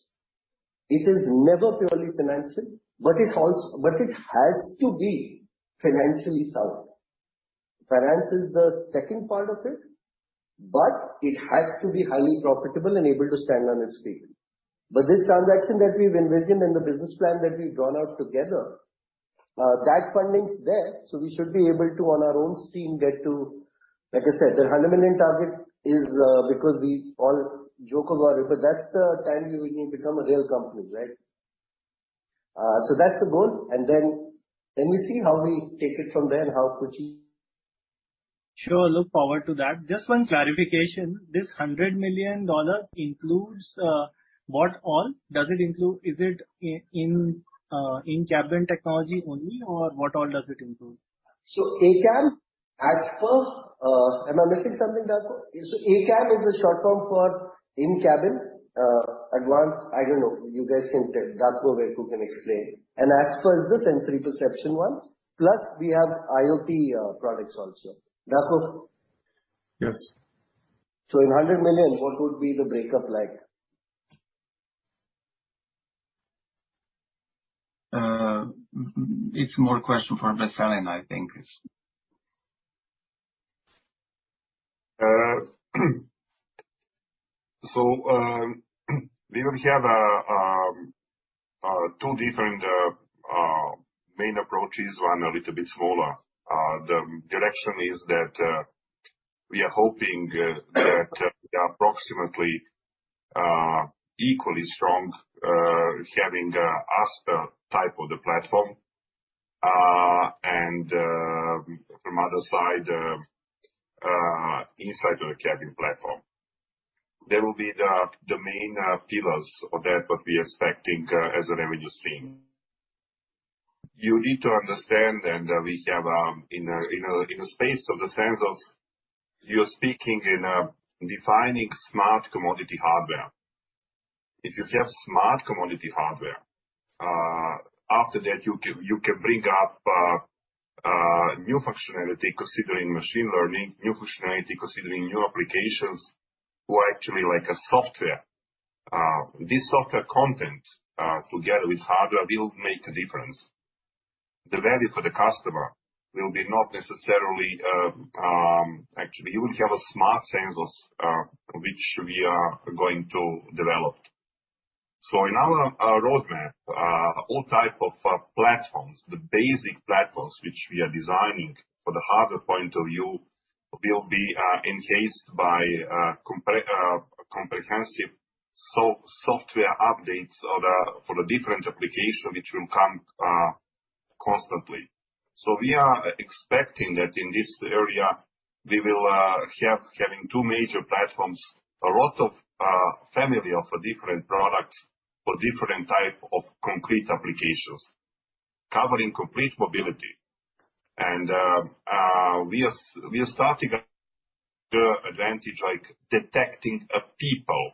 It is never purely financial, but it has to be financially sound. Finance is the second part of it, but it has to be highly profitable and able to stand on its feet. This transaction that we've envisioned and the business plan that we've drawn out together, that funding's there, we should be able to, on our own steam, get to... Like I said, the $100 million target is because we all joke about it, but that's the time we will become a real company, right? That's the goal, then we see how we take it from there and how quickly. Sure. Look forward to that. Just one clarification. This $100 million includes what all? Does it include in-cabin technology only, or what all does it include? ACAM per, am I missing something, Darko? ACAM is the short form for in-cabin. I don't know. You guys can tell. Darko, Veljko can explain. ASPER is the sensory perception one. Plus, we have IoT products also. Darko? Yes. In 100 million, what would be the breakup like? It's more a question for Veselin, I think it is. We will have a two different main approaches, one a little bit smaller. The direction is that we are hoping that we are approximately equally strong having the ASPER type of the platform, and from other side, inside of the cabin platform. They will be the main pillars of that what we expecting as a revenue stream. You need to understand then that we have in a space of the sensors, you're speaking in defining smart commodity hardware. If you have smart commodity hardware, after that you can bring up new functionality considering machine learning, new functionality considering new applications who are actually like a software. This software content together with hardware will make a difference. The value for the customer will be not necessarily. Actually, you will have a smart sensors which we are going to develop. In our roadmap, all type of platforms, the basic platforms which we are designing for the hardware point of view, will be encased by comprehensive software updates of the for the different application which will come constantly. We are expecting that in this area, we will having two major platforms, a lot of family of different products for different type of concrete applications, covering complete mobility. We are starting a advantage like detecting a people.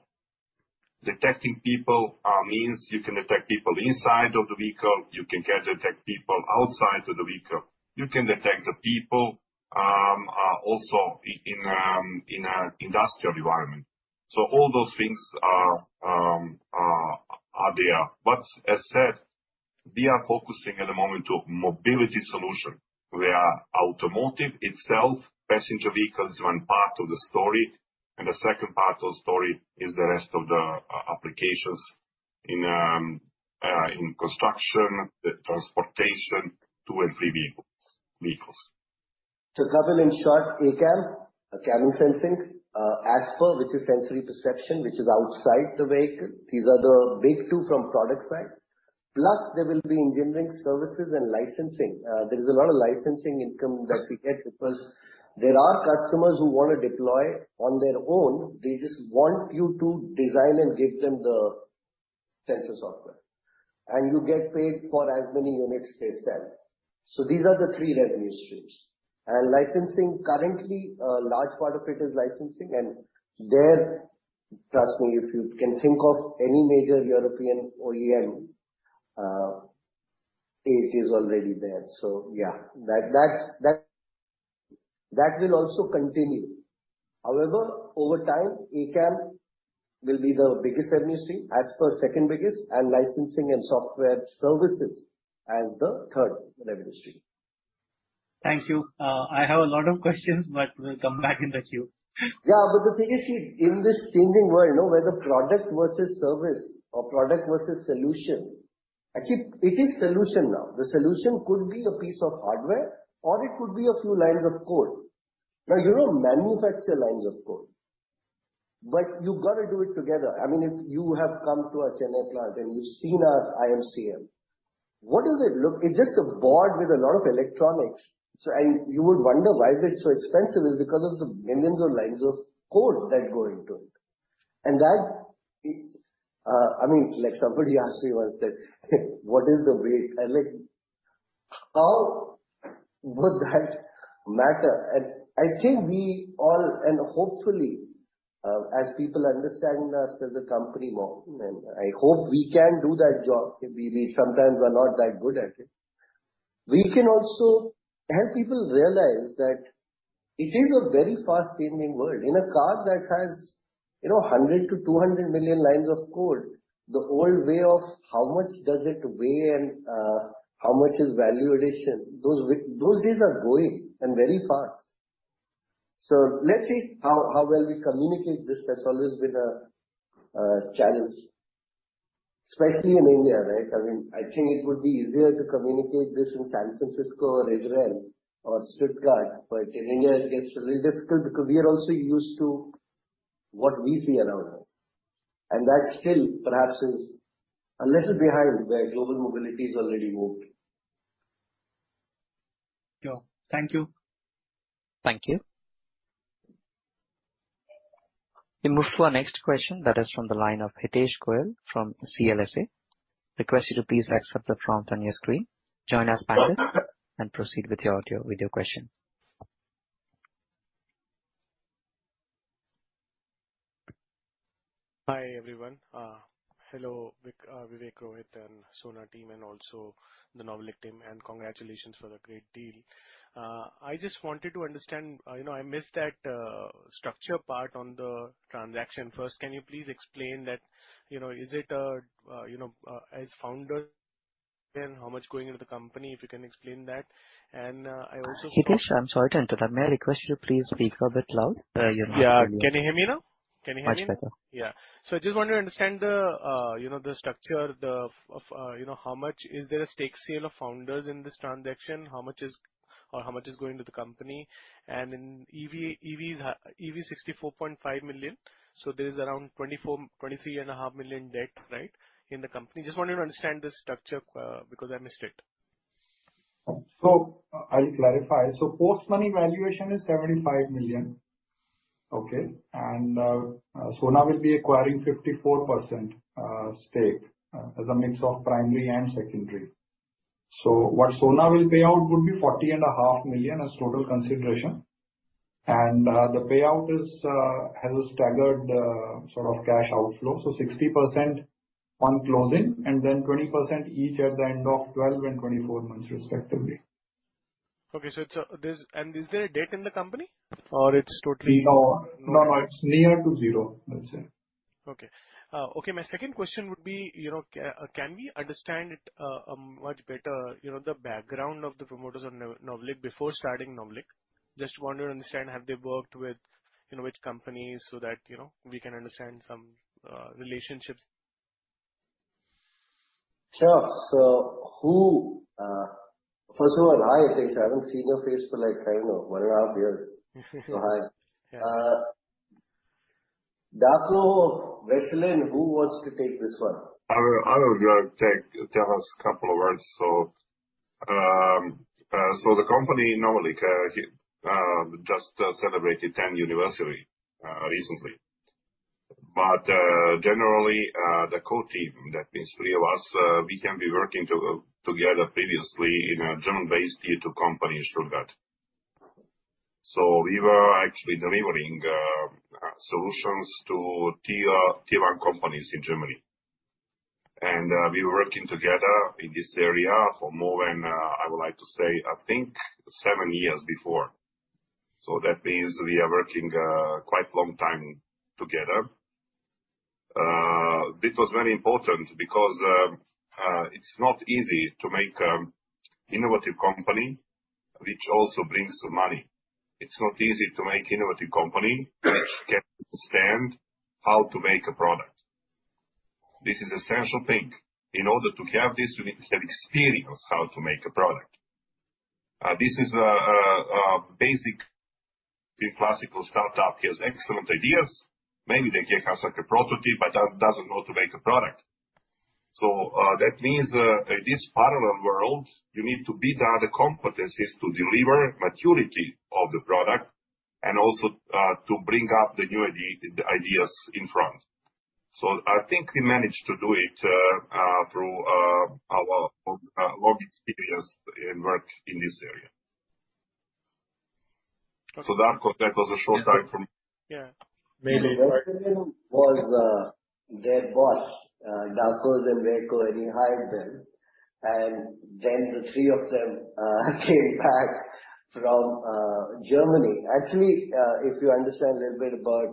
Detecting people means you can detect people inside of the vehicle, you can detect people outside of the vehicle, you can detect the people also in a industrial environment. All those things are there. As said, we are focusing at the moment to mobility solution, where automotive itself, passenger vehicle is one part of the story, and the second part of story is the rest of the applications in construction, the transportation, two and three vehicles. To cover in short, ACAM, cabin sensing, ASPER, which is sensory perception, which is outside the vehicle. These are the big two from product side. There will be engineering services and licensing. There is a lot of licensing income that we get because there are customers who wanna deploy on their own. They just want you to design and give them the sensor software. You get paid for as many units they sell. These are the three revenue streams. Licensing currently, a large part of it is licensing. There, trust me, if you can think of any major European OEM, it is already there. Yeah, that will also continue. However, over time, ACAM will be the biggest revenue stream, ASPER second biggest, and licensing and software services as the third revenue stream. Thank you. I have a lot of questions, but will come back in the queue. Yeah, the thing is, in this changing world, you know, where the product versus service or product versus solution, actually it is solution now. The solution could be a piece of hardware, or it could be a few lines of code. Now, you don't manufacture lines of code. You gotta do it together. I mean, if you have come to our Chennai plant and you've seen our IMCM, what does it look? It's just a board with a lot of electronics. You would wonder why is it so expensive? It's because of the millions of lines of code that go into it. I mean, like somebody asked me once that what is the weight? Like, how would that matter? I think we all, and hopefully, as people understand us as a company more, and I hope we can do that job, we sometimes are not that good at it. We can also have people realize that it is a very fast-changing world. In a car that has, you know, 100 million-200 million lines of code, the old way of how much does it weigh and how much is value addition, those days are going, and very fast. Let's see how well we communicate this. That's always been a challenge, especially in India, right? I mean, I think it would be easier to communicate this in San Francisco or Israel or Stuttgart, but in India it gets a little difficult because we are also used to what we see around us. That still perhaps is a little behind where global mobility has already moved. Sure. Thank you. Thank you. We move to our next question that is from the line of Hitesh Goel from CLSA. Request you to please accept the prompt on your screen. Join us panel and proceed with your question. Hi everyone. Hello, Vivek, Rohit and Sona team and also the NOVELIC team, and congratulations for the great deal. I just wanted to understand, you know, I missed that structure part on the transaction. First, can you please explain that, you know, is it a, you know, as founder then how much going into the company if you can explain that. I also- Hitesh, I'm sorry to interrupt. May I request you please speak a bit loud? Yeah. Can you hear me now? Can you hear me? Much better. Yeah. I just want to understand the, you know, the structure, the, of, you know, how much is there a stake sale of founders in this transaction? How much or how much is going to the company? Then EV, 64.5 million. There is around 24, 23.5 million debt, right? In the company. Just wanted to understand the structure, because I missed it. I'll clarify. Post-money valuation is EUR 75 million. Okay? Sona will be acquiring 54% stake as a mix of primary and secondary. What Sona will pay out would be 40 and a half million as total consideration. The payout is has a staggered sort of cash outflow. 60% on closing and then 20% each at the end of 12 and 24 months respectively. Okay. Is there a debt in the company or it's totally? No. No, no, it's near to zero, I'll say. Okay, my second question would be, you know, can we understand it much better, you know, the background of the promoters of NOVELIC before starting NOVELIC? Just want to understand have they worked with, you know, which companies so that, you know, we can understand some relationships. Sure. First of all, hi Hitesh, I haven't seen your face for like kind of 1.5 years. Hi. Yeah. Darko, Veselin, who wants to take this one? I will take. Tell us couple of words. The company, NOVELIC, just celebrated 10 university recently. Generally, the core team, that means three of us, we can be working together previously in a German-based D2 company in Stuttgart. We were actually delivering solutions to Tier 1 companies in Germany. We were working together in this area for more than, I would like to say, I think seven years before. That means we are working quite long time together. This was very important because it's not easy to make an innovative company which also brings the money. It's not easy to make innovative company can understand how to make a product. This is essential thing. In order to have this, we have experience how to make a product. This is basic. The classical startup has excellent ideas. Maybe they can have like a prototype, but doesn't know to make a product. That means, in this parallel world, you need to build other competencies to deliver maturity of the product and also to bring up the new ideas in front. I think we managed to do it through our long experience in work in this area. Okay. Darko, that was a short time. Yeah. Veselin was their boss, Darko's and Veljko, and he hired them. The three of them came back from Germany. Actually, if you understand a little bit about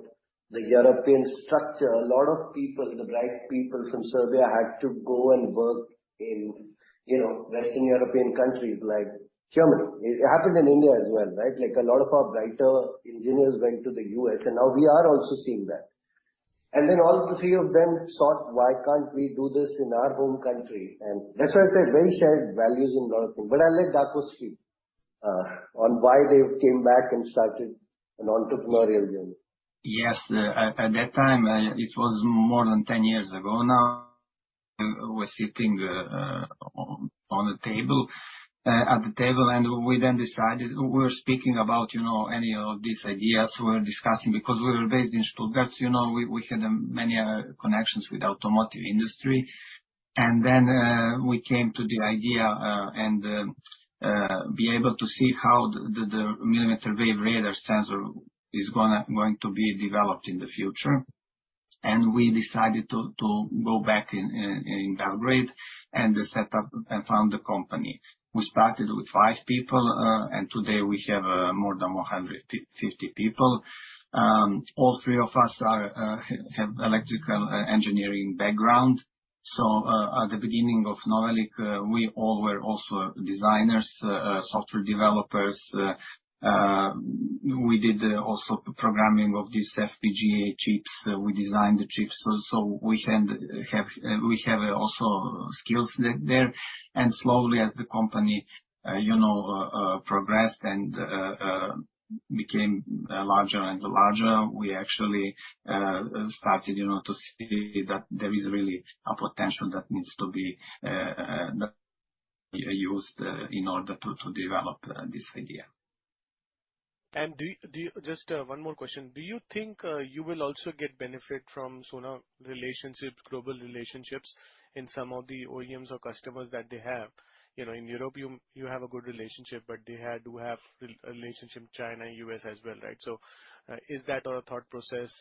the European structure, a lot of people, the bright people from Serbia had to go and work in, you know, Western European countries like Germany. It happened in India as well, right? Like a lot of our brighter engineers went to the U.S., and now we are also seeing that. All the three of them thought, "Why can't we do this in our home country?" That's why I said very shared values and a lot of things. I'll let Darko speak on why they came back and started an entrepreneurial journey. Yes. At that time, it was more than 10 years ago now, we're sitting on a table, at the table and we decided. We were speaking about, you know, any of these ideas we were discussing because we were based in Stuttgart, you know, we had many connections with automotive industry. We came to the idea and be able to see how the millimeter wave radar sensor is going to be developed in the future. We decided to go back in Belgrade and set up and found the company. We started with five people, and today we have more than 150 people. All three of us are have electrical engineering background. At the beginning of NOVELIC, we all were also designers, software developers, we did also the programming of these FPGA chips. We designed the chips also. We have also skills there. Slowly as the company, you know, progressed and became larger and larger, we actually started, you know, to see that there is really a potential that needs to be used in order to develop this idea. Do you... Just one more question? Do you think you will also get benefit from Sona relationships, global relationships in some of the OEMs or customers that they have? You know, in Europe you have a good relationship, but they had to have a relationship China, U.S. as well, right? Is that our thought process,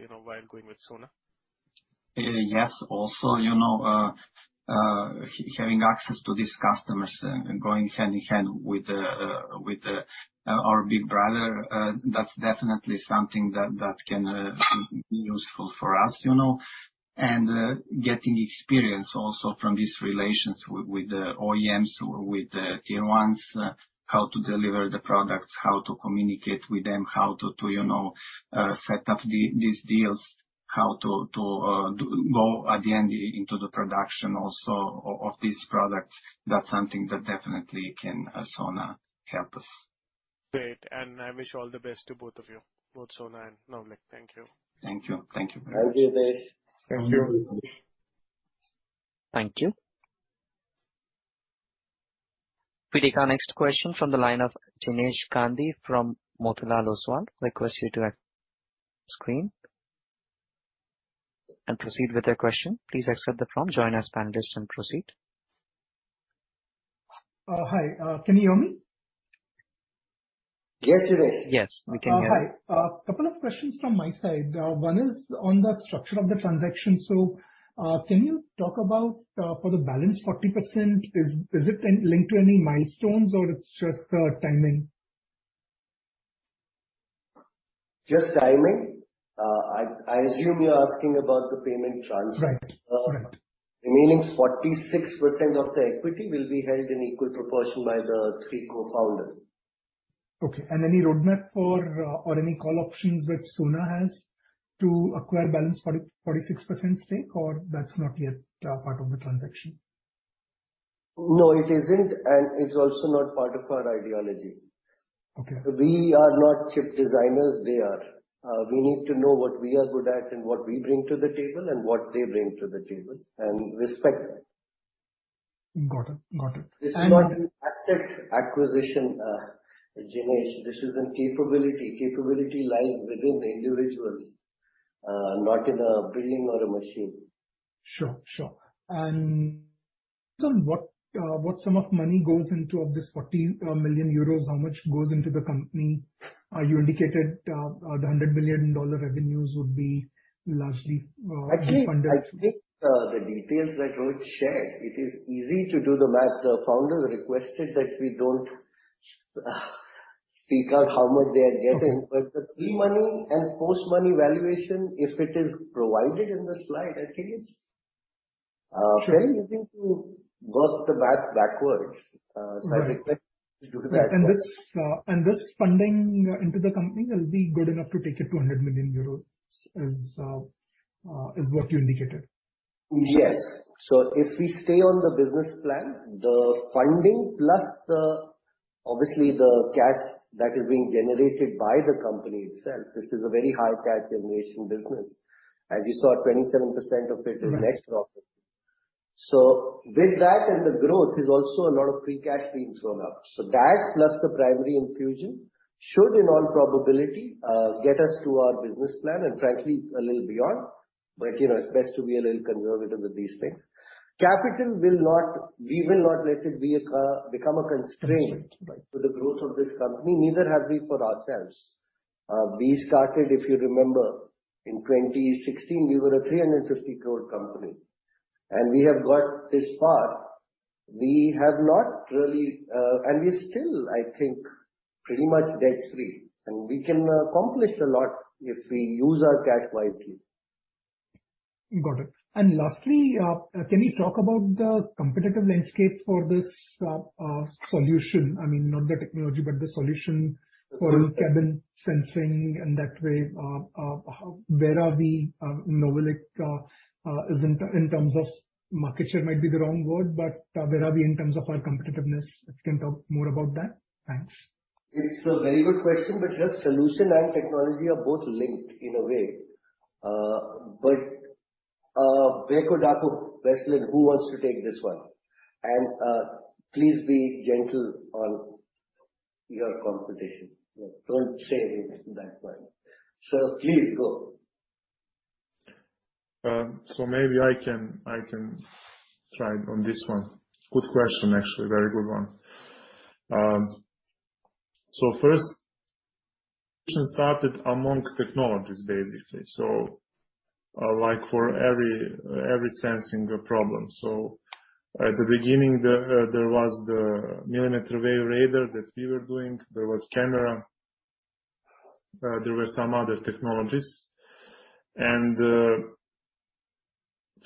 you know, while going with Sona? Yes. Also, you know, having access to these customers and going hand-in-hand with our big brother, that's definitely something that can be useful for us, you know. Getting experience also from these relations with the OEMs or with the tier ones, how to deliver the products, how to communicate with them, how to, you know, set up these deals, how to go at the end into the production also of these products, that's something that definitely can Sona help us. Great. I wish all the best to both of you, both Sona and NOVELIC. Thank you. Thank you. Thank you. I'll be there. Thank you. Thank you. We take our next question from the line of Jinesh Gandhi from Motilal Oswal. Request you to screen and proceed with your question. Please accept the prompt, join as panelists and proceed. Hi. Can you hear me? Yes, we do. Yes, we can hear you. Hi. A couple of questions from my side. One is on the structure of the transaction. Can you talk about, for the balance 40%, is it linked to any milestones or it's just timing? Just timing. I assume you're asking about the payment tranche. Right. Right. Remaining 46% of the equity will be held in equal proportion by the three co-founders. Okay. any roadmap for, or any call options that Sona has to acquire balance 40%, 46% stake, or that's not yet part of the transaction? No, it isn't, and it's also not part of our ideology. Okay. We are not chip designers, they are. We need to know what we are good at and what we bring to the table, and what they bring to the table and respect that. Got it. Got it. This is not an asset acquisition, Jinesh. This is a capability. Capability lies within the individuals, not in a building or a machine. Sure, sure. What sum of money goes into of this 40 million euros, how much goes into the company? You indicated, the $100 million revenues would be largely, funded. Actually, I think, the details that Rohit shared, it is easy to do the math. The founders requested that we don't seek out how much they are getting. The pre-money and post-money valuation, if it is provided in the slide, I think it's. Sure. Very easy to work the math backwards. Right. I'd like you to do the math backwards. This funding into the company will be good enough to take it to 100 million euros as what you indicated? Yes. If we stay on the business plan, the funding plus obviously the cash that is being generated by the company itself, this is a very high cash generation business. As you saw, 27% of it is net profit. With that and the growth is also a lot of free cash being thrown up. That plus the primary infusion should in all probability get us to our business plan and frankly a little beyond. You know, it's best to be a little conservative with these things. Capital will not let it become a constraint. Right. -to the growth of this company, neither have we for ourselves. We started, if you remember, in 2016, we were an 350 crore company, and we have got this far. We have not really. We're still, I think, pretty much debt-free, and we can accomplish a lot if we use our cash wisely. Got it. Lastly, can you talk about the competitive landscape for this solution? I mean, not the technology, but the solution for cabin sensing and that way, where are we, NOVELIC, is in terms of market share might be the wrong word, but, where are we in terms of our competitiveness? If you can talk more about that. Thanks. It's a very good question, but here solution and technology are both linked in a way. Veljko, Darko, Veselin, who wants to take this one? Please be gentle on your competition. You know, don't say anything bad about them. Please go. Maybe I can, I can try on this one. Good question, actually. Very good one. First started among technologies basically. Like for every sensing a problem. At the beginning there was the millimeter wave radar that we were doing. There was camera, there were some other technologies.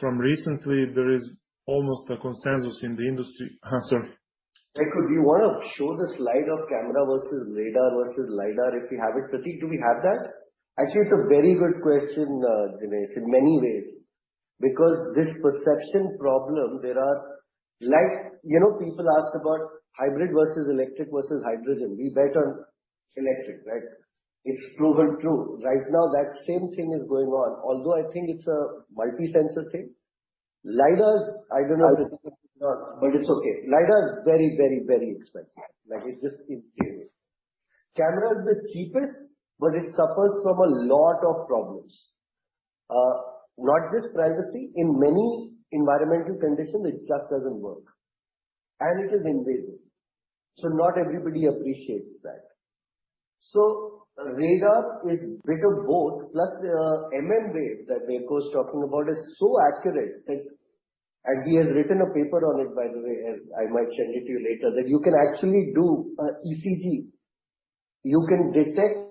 From recently, there is almost a consensus in the industry. Sorry. Veljko, do you want to show the slide of camera versus radar versus lidar, if you have it. Prateek, do we have that? It's a very good question, Jinesh, in many ways. This perception problem, there are like, you know, people ask about hybrid versus electric versus hydrogen. We bet on electric, right? It's proven true. Right now that same thing is going on, although I think it's a multi-sensor thing. lidar, I don't know if it's or it's not, but it's okay. lidar is very, very, very expensive. Like, it's just insane. Camera is the cheapest, but it suffers from a lot of problems. Not just privacy. In many environmental conditions, it just doesn't work, and it is invasive, so not everybody appreciates that. Radar is bit of both. Plus, the mmWave that Veljko is talking about is so accurate that... He has written a paper on it, by the way. I might send it to you later. That you can actually do a ECG. You can detect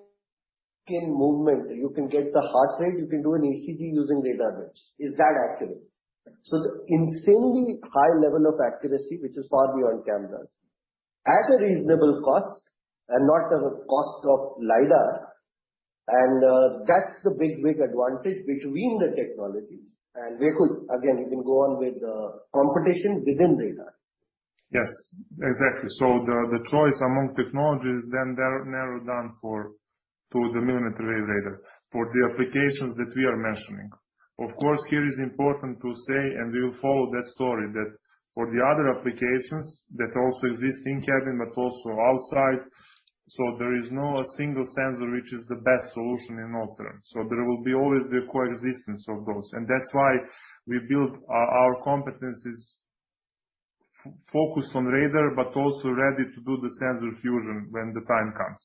skin movement, you can get the heart rate, you can do an ECG using radar waves. It's that accurate. The insanely high level of accuracy, which is far beyond cameras, at a reasonable cost and not at a cost of LiDAR. That's the big, big advantage between the technologies. Veljko, again, you can go on with the competition within radar. Yes. Exactly. The choice among technologies, then they're narrowed down to the millimeter wave radar for the applications that we are mentioning. Of course, here is important to say, and we will follow that story, that for the other applications that also exist in-cabin but also outside, there is no a single sensor which is the best solution in all terms. There will be always the coexistence of those. That's why we build our competencies focused on radar, but also ready to do the sensor fusion when the time comes.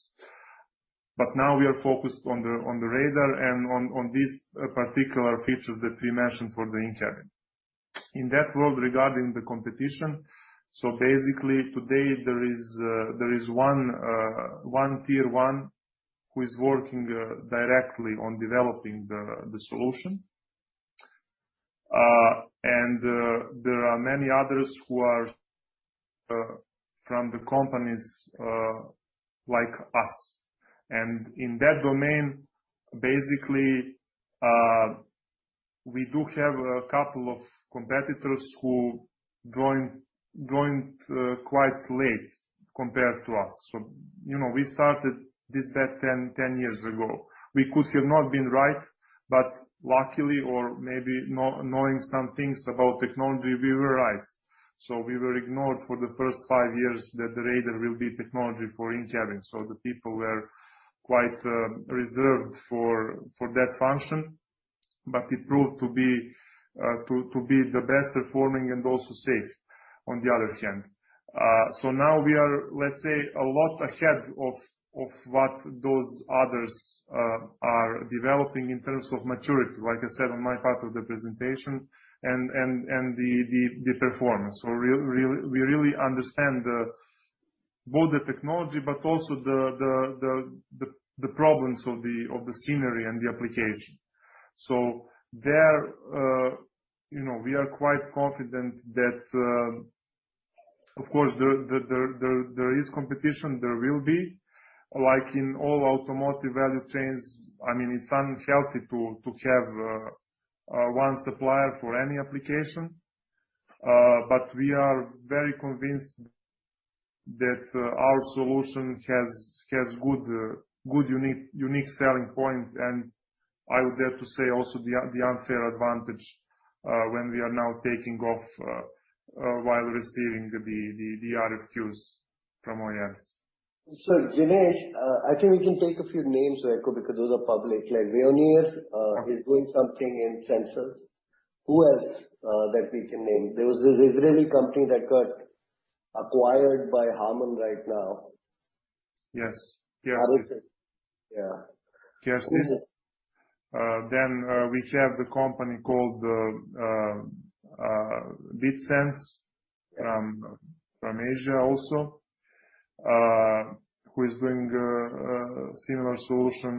Now we are focused on the radar and on these particular features that we mentioned for the in-cabin. In that world regarding the competition, basically to date there is one tier one who is working directly on developing the solution. There are many others who are from the companies like us. In that domain, basically, we do have a couple of competitors who joined quite late compared to us. You know, we started this back 10 years ago. We could have not been right, but luckily or maybe know-knowing some things about technology, we were right. We were ignored for the first five years that the radar will be technology for in-cabin. The people were quite reserved for that function. It proved to be the best performing and also safe on the other hand. Now we are, let's say, a lot ahead of what those others are developing in terms of maturity, like I said on my part of the presentation, and the performance. We really understand both the technology but also the problems of the scenery and the application. There, you know, we are quite confident that. Of course, there is competition. There will be, like in all automotive value chains. I mean, it's unhealthy to have one supplier for any application. We are very convinced that our solution has good unique selling point, and I would dare to say also the unfair advantage, when we are now taking off, while receiving the RFQs from OEMs. Jinesh, I think we can take a few names, Veljko, because those are public. Like Veoneer, is doing something in sensors. Who else, that we can name? There was this Israeli company that got acquired by Harman right now. Yes. I don't see. Yeah. Yes. Okay. We have the company called DeepSense- Yeah. -from Asia also, who is doing a similar solution.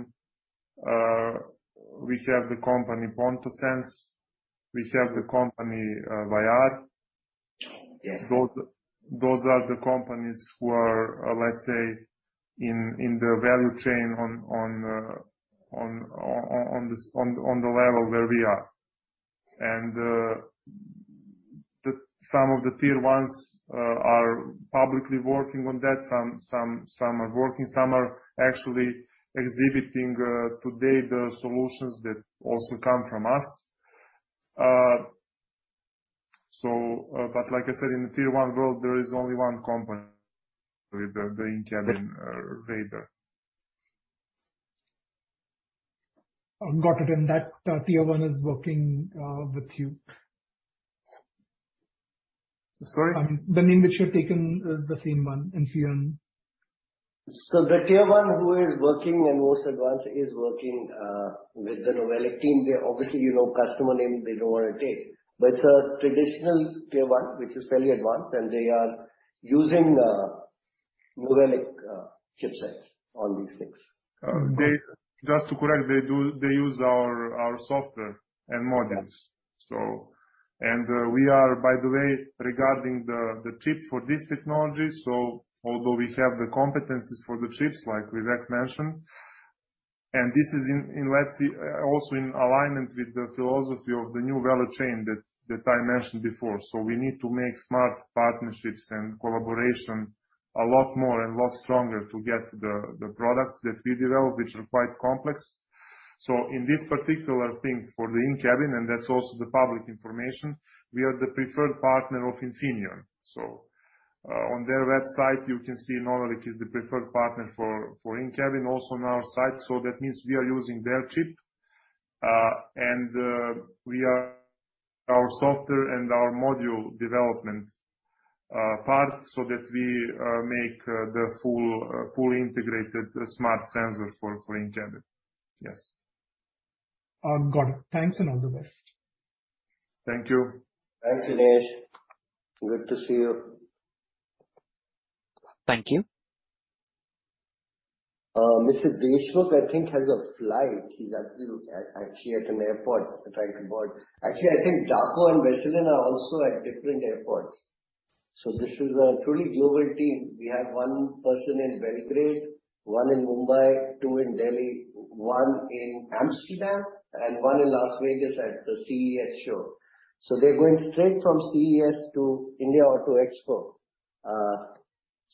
We have the company Pontosense. We have the company Vayyar. Yeah. Those are the companies who are, let's say, in the value chain on this, on the level where we are. Some of the tier ones are publicly working on that. Some are working, some are actually exhibiting today the solutions that also come from us. But like I said, in the tier one world, there is only one company with the in-cabin radar. Got it. That tier one is working with you? Sorry? The name which you have taken is the same one, Infineon. The tier one who is working and most advanced is working with the NOVELIC team. They obviously, you know, customer name they don't wanna take. It's a traditional tier one which is fairly advanced, and they are using NOVELIC chipsets on these things. Just to correct, they do, they use our software and modules. Yeah. We are, by the way, regarding the chip for this technology, although we have the competencies for the chips, like Vivek mentioned. This is in, let's see, also in alignment with the philosophy of the new value chain that I mentioned before. We need to make smart partnerships and collaboration a lot more and lot stronger to get the products that we develop, which are quite complex. In this particular thing for the in-cabin, and that's also the public information, we are the preferred partner of Infineon. On their website, you can see NOVELIC is the preferred partner for in-cabin, also on our site. That means we are using their chip, and we are our software and our module development part so that we make the fully integrated smart sensor for in-cabin. Yes. Got it. Thanks and all the best. Thank you. Thanks, Jinesh. Good to see you. Thank you. Mr. Deshmukh, I think, has a flight. He's actually at an airport trying to board. I think Darko and Veselin are also at different airports. This is a truly global team. We have one person in Belgrade, one in Mumbai, two in Delhi, one in Amsterdam, and one in Las Vegas at the CES show. They're going straight from CES to India Auto Expo.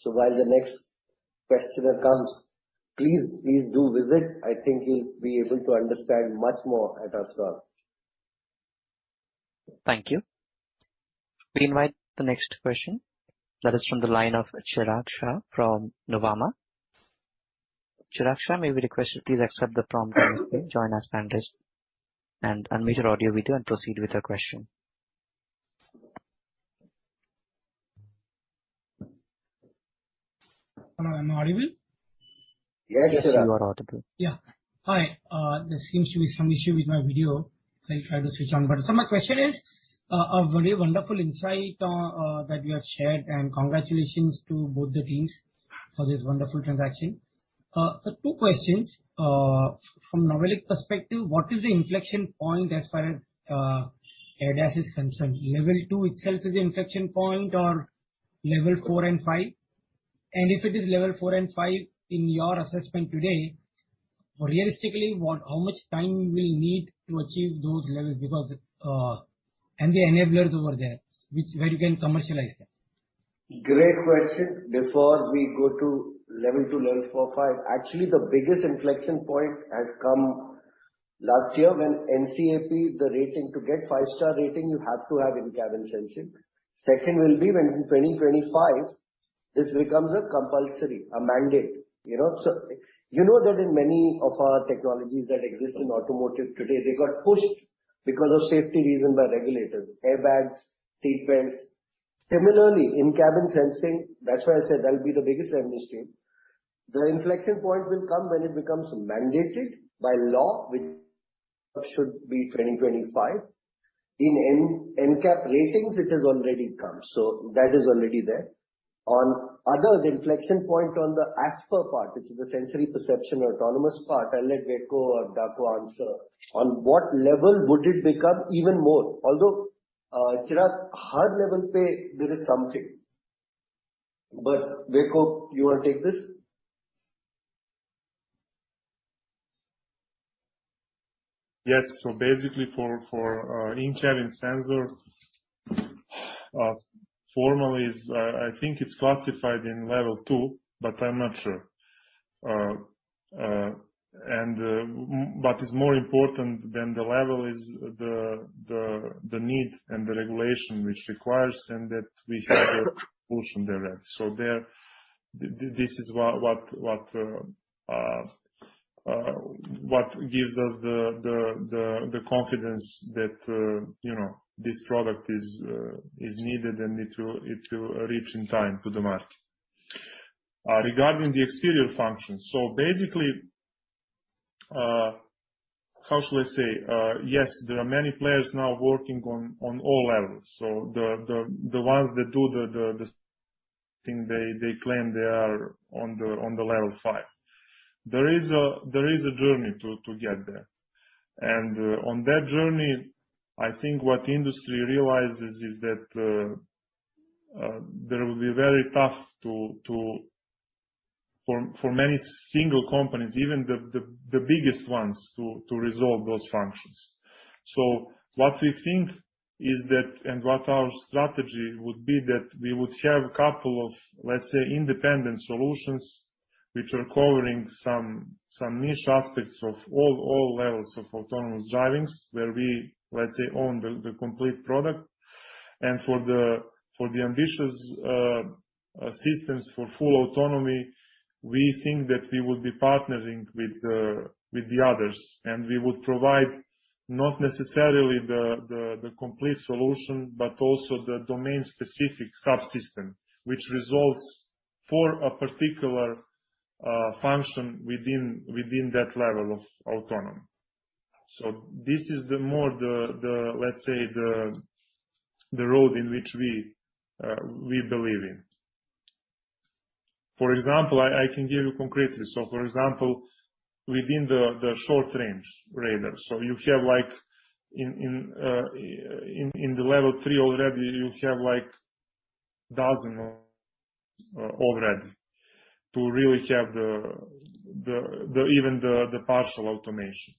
While the next questioner comes, please do visit. I think you'll be able to understand much more at our scale. Thank you. We invite the next question. That is from the line of Chirag Shah from Nomura. Chirag Shah, may we request you please accept the prompt to join us panelist and unmute your audio video and proceed with your question. Hello, am I audible? Yes. You are audible. Hi. There seems to be some issue with my video. I'll try to switch on. My question is, a very wonderful insight that you have shared, and congratulations to both the teams for this wonderful transaction. Two questions. From NOVELIC perspective, what is the inflection point as far as ADAS is concerned? Level 2 itself is the inflection point or Level 4 and 5? If it is Level 4 and 5, in your assessment today, realistically, how much time we'll need to achieve those levels? Because, and the enablers over there, where you can commercialize them. Great question. Before we go to level 2, level 4, 5, actually, the biggest inflection point has come last year when NCAP, the rating, to get five-star rating, you have to have in-cabin sensing. Second will be when in 2025, this becomes a compulsory, a mandate, you know. You know that in many of our technologies that exist in automotive today, they got pushed because of safety reason by regulators, airbags, seatbelts. Similarly, in-cabin sensing, that's why I said that'll be the biggest industry. The inflection point will come when it becomes mandated by law, which should be 2025. In NCAP ratings, it has already come. That is already there. On other, the inflection point on the ASPER part, which is the sensory perception or autonomous part, I'll let Veljko or Darko answer. On what level would it become even more? Although, Chirag, hard level, there is something. Veljko, you wanna take this? Basically, for our in-cabin sensor, formally is, I think it's classified in level 2, but I'm not sure. What is more important than the level is the need and the regulation which requires and that we have a push on the rest. This is what gives us the confidence that, you know, this product is needed and it will reach in time to the market. Regarding the exterior function, basically, how shall I say? There are many players now working on all levels. The ones that do the thing, they claim they are on the level 5. There is a journey to get there. On that journey, I think what industry realizes is that it will be very tough for many single companies, even the biggest ones, to resolve those functions. What we think is that, and what our strategy would be that we would have couple of, let's say, independent solutions which are covering some niche aspects of all levels of autonomous drivings, where we, let's say, own the complete product. For the ambitious systems for full autonomy, we think that we would be partnering with the others, and we would provide not necessarily the complete solution, but also the domain-specific subsystem, which resolves for a particular function within that level of autonomy. This is the more the, let's say the road in which we believe in. For example, I can give you concretely. For example, within the short range radar. You have like in the level 3 already, you have like dozen of already. To really have the even the partial automation.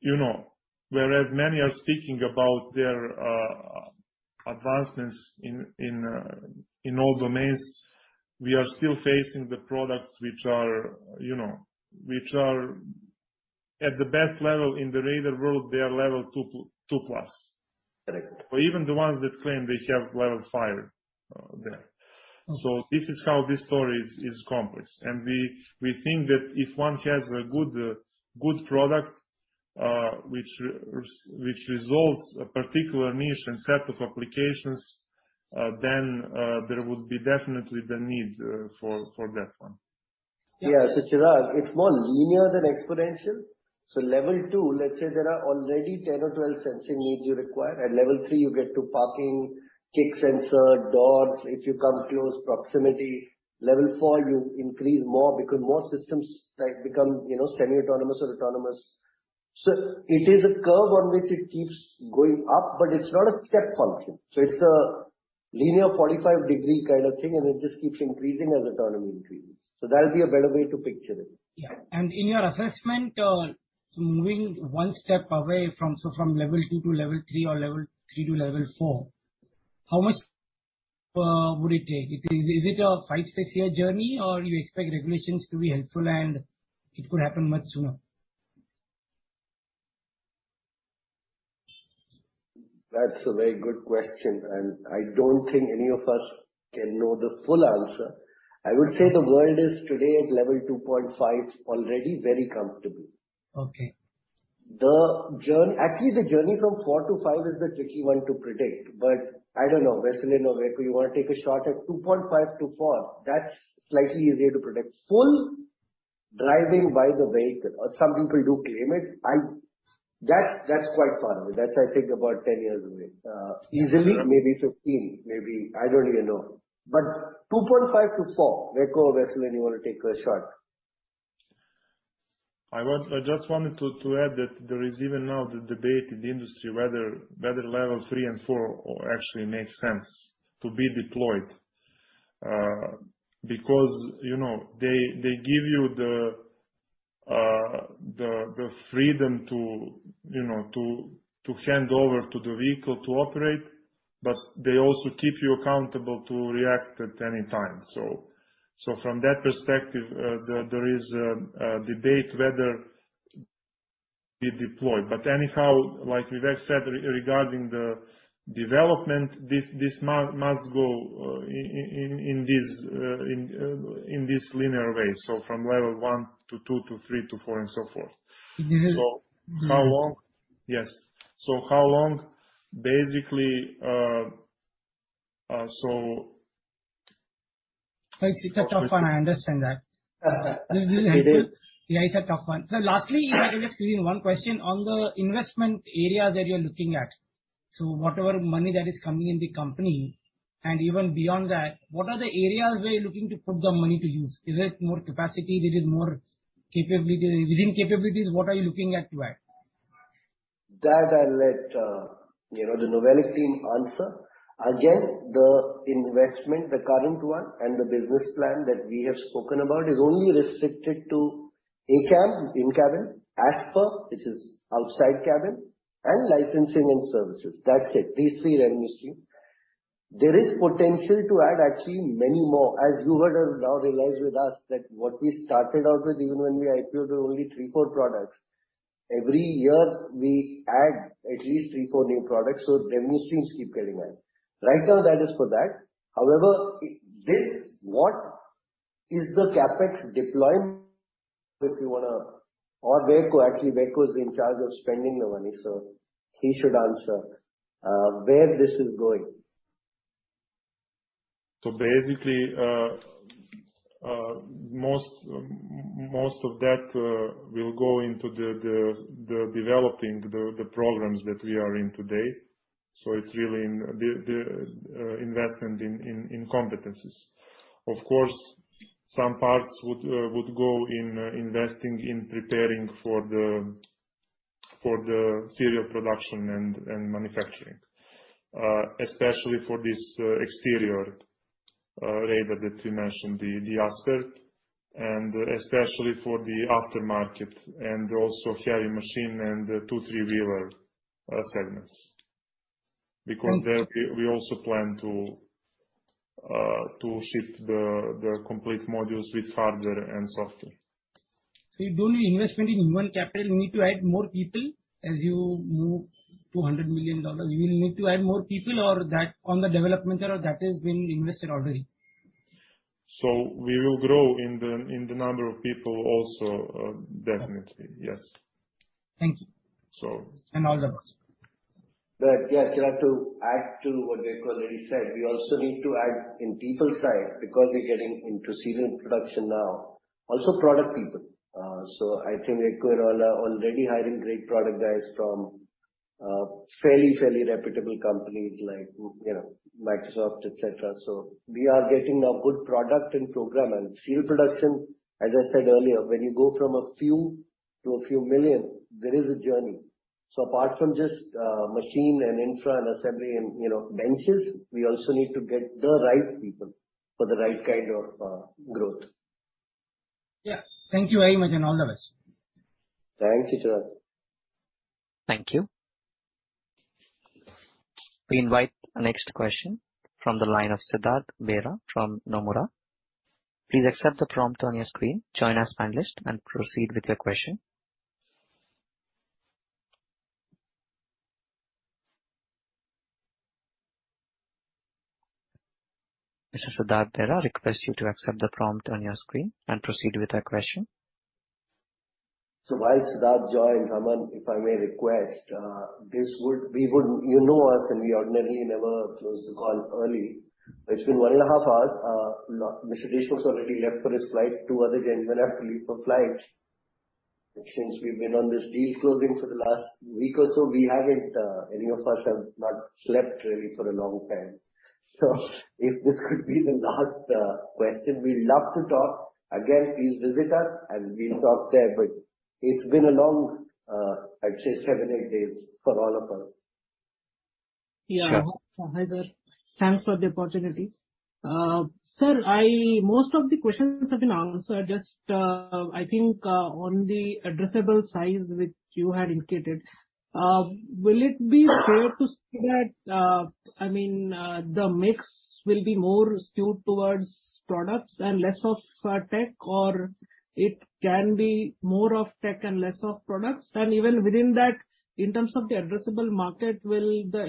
You know, whereas many are speaking about their advancements in all domains, we are still facing the products which are, you know, which are at the best level in the radar world, they are level 2+. Correct. Even the ones that claim they have level 5, there. This is how this story is complex. We think that if one has a good product, which resolves a particular niche and set of applications, then there would be definitely the need for that one. Yeah. Chirag, it's more linear than exponential. Level 2, let's say there are already 10 or 12 sensor needs you require. At Level 3, you get to parking, kick sensor, doors, if you come close, proximity. Level 4, you increase more because more systems like become, you know, semi-autonomous or autonomous. It is a curve on which it keeps going up, but it's not a step function. It's a linear 45-degree kind of thing, and it just keeps increasing as autonomy increases. That would be a better way to picture it. Yeah. In your assessment, moving one step away from, so from level two to level three or level three to level four, how much would it take? Is it a five to six year journey or you expect regulations to be helpful and it could happen much sooner? That's a very good question. I don't think any of us can know the full answer. I would say the world is today at level 2.5 already very comfortably. Okay. Actually, the journey from 4-5 is the tricky one to predict, but I don't know, Veselin or Veljko, you wanna take a shot at 2.5-4? That's slightly easier to predict. Full driving by the vehicle or some people do claim it, That's quite far away. That's I think about 10 years away. Easily? Maybe 15. Maybe... I don't even know. 2.5 to 4, Veljko or Veselin, you wanna take a shot? I just wanted to add that there is even now the debate in the industry whether level 3 and 4 actually makes sense to be deployed. Because, you know, they give you the freedom to, you know, to hand over to the vehicle to operate, but they also keep you accountable to react at any time. From that perspective, there is a debate whether be deployed. Anyhow, like Vivek said regarding the development, this must go in this linear way. From level 1 to 2 to 3 to 4 and so forth. Mm-hmm. How long... Yes. How long basically. It's a tough one, I understand that. It will help you. It is. Yeah, it's a tough one. Lastly, if you'll excuse me, one question on the investment area that you're looking at. Whatever money that is coming in the company, and even beyond that, what are the areas where you're looking to put the money to use? Is it more capacity? There is more capability? Within capabilities, what are you looking at to add? That I'll let, you know, the NOVELIC team answer. Again, the investment, the current one and the business plan that we have spoken about is only restricted to ACAM, in-cabin, ASFA, which is outside cabin, and licensing and services. That's it. These three revenue stream. There is potential to add actually many more. As you would have now realized with us that what we started out with even when we IPOed were only three, four products. Every year we add at least three, four new products, so revenue streams keep getting added. Right now that is for that. However, this what is the CapEx deployed? Veljko, actually Veljko is in charge of spending the money, so he should answer, where this is going. Basically, most of that will go into the developing the programs that we are in today. It's really in the investment in competencies. Of course, some parts would go in investing, in preparing for the serial production and manufacturing. Especially for this exterior radar that you mentioned, the ASPER. Especially for the aftermarket and also heavy machine and two, three-wheeler segments. There we also plan to ship the complete modules with hardware and software. You don't need investment in human capital. You need to add more people as you move to $100 million. You will need to add more people on the development side or that has been invested already? We will grow in the, in the number of people also, definitely, yes. Thank you. So- All the best. Yeah, Chirag, to add to what Darko already said, we also need to add in people side because we're getting into serial production now, also product people. So I think Darko and all are already hiring great product guys from fairly reputable companies like, you know, Microsoft, et cetera. So we are getting a good product and program. Serial production, as I said earlier, when you go from a few to a few million, there is a journey. So apart from just machine and infra and assembly and, you know, benches, we also need to get the right people for the right kind of growth. Yeah. Thank you very much, and all the best. Thank you too. Thank you. We invite the next question from the line of Siddhartha Bera from Nomura. Please accept the prompt on your screen, join as panelist, and proceed with your question. Mr. Siddhartha Bera, I request you to accept the prompt on your screen and proceed with your question. While Siddhartha joins, Raman, if I may request, You know us and we ordinarily never close the call early. It's been one and a half hours. Mr. Deshmukh's already left for his flight. Two other gentlemen have to leave for flights. Since we've been on this deal closing for the last week or so, we haven't, any of us have not slept really for a long time. If this could be the last question, we love to talk. Again, please visit us and we'll talk there. It's been a long, I'd say seven, eight days for all of us. Yeah. Sure. Hi, sir. Thanks for the opportunity. Sir, Most of the questions have been answered. Just, I think, on the addressable size which you had indicated, will it be fair to say that, I mean, the mix will be more skewed towards products and less of tech, or it can be more of tech and less of products? Even within that, in terms of the addressable market, will the